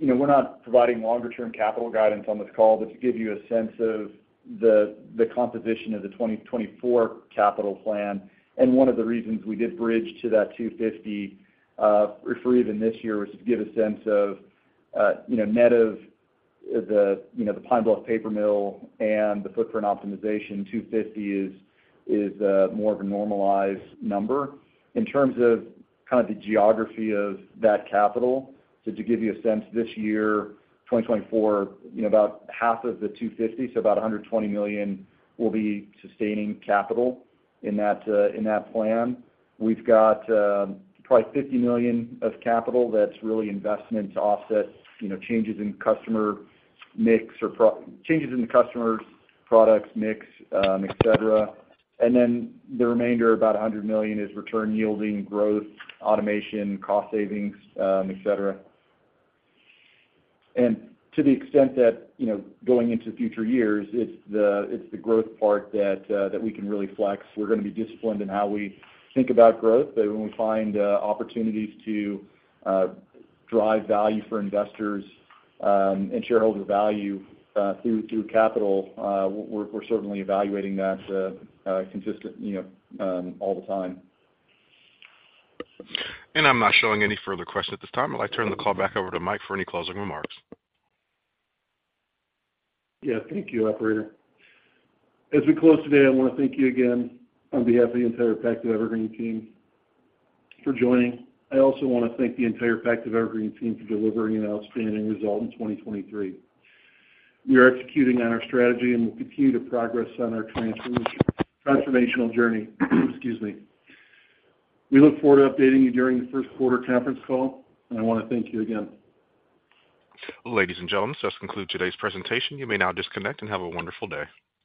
We're not providing longer-term capital guidance on this call, but to give you a sense of the composition of the 2024 capital plan. And one of the reasons we did bridge to that $250 million for even this year was to give a sense of net of the Pine Bluff paper mill and the footprint optimization, $250 million is more of a normalized number. In terms of kind of the geography of that capital, so to give you a sense, this year, 2024, about half of the $250 million, so about $120 million, will be sustaining capital in that plan. We've got probably $50 million of capital that's really investment to offset changes in customer mix or changes in the customer's product mix, etc. And then the remainder, about $100 million, is return yielding, growth, automation, cost savings, etc. And to the extent that going into future years, it's the growth part that we can really flex. We're going to be disciplined in how we think about growth. But when we find opportunities to drive value for investors and shareholder value through capital, we're certainly evaluating that consistently all the time. And I'm not showing any further questions at this time. I'd like to turn the call back over to Mike for any closing remarks. Yeah. Thank you, operator. As we close today, I want to thank you again on behalf of the entire Pactiv Evergreen team for joining. I also want to thank the entire Pactiv Evergreen team for delivering an outstanding result in 2023. We are executing on our strategy, and we'll continue to progress on our transformational journey. Excuse me. We look forward to updating you during the Q1 conference call. I want to thank you again. Ladies and gentlemen, that concludes today's presentation. You may now disconnect and have a wonderful day.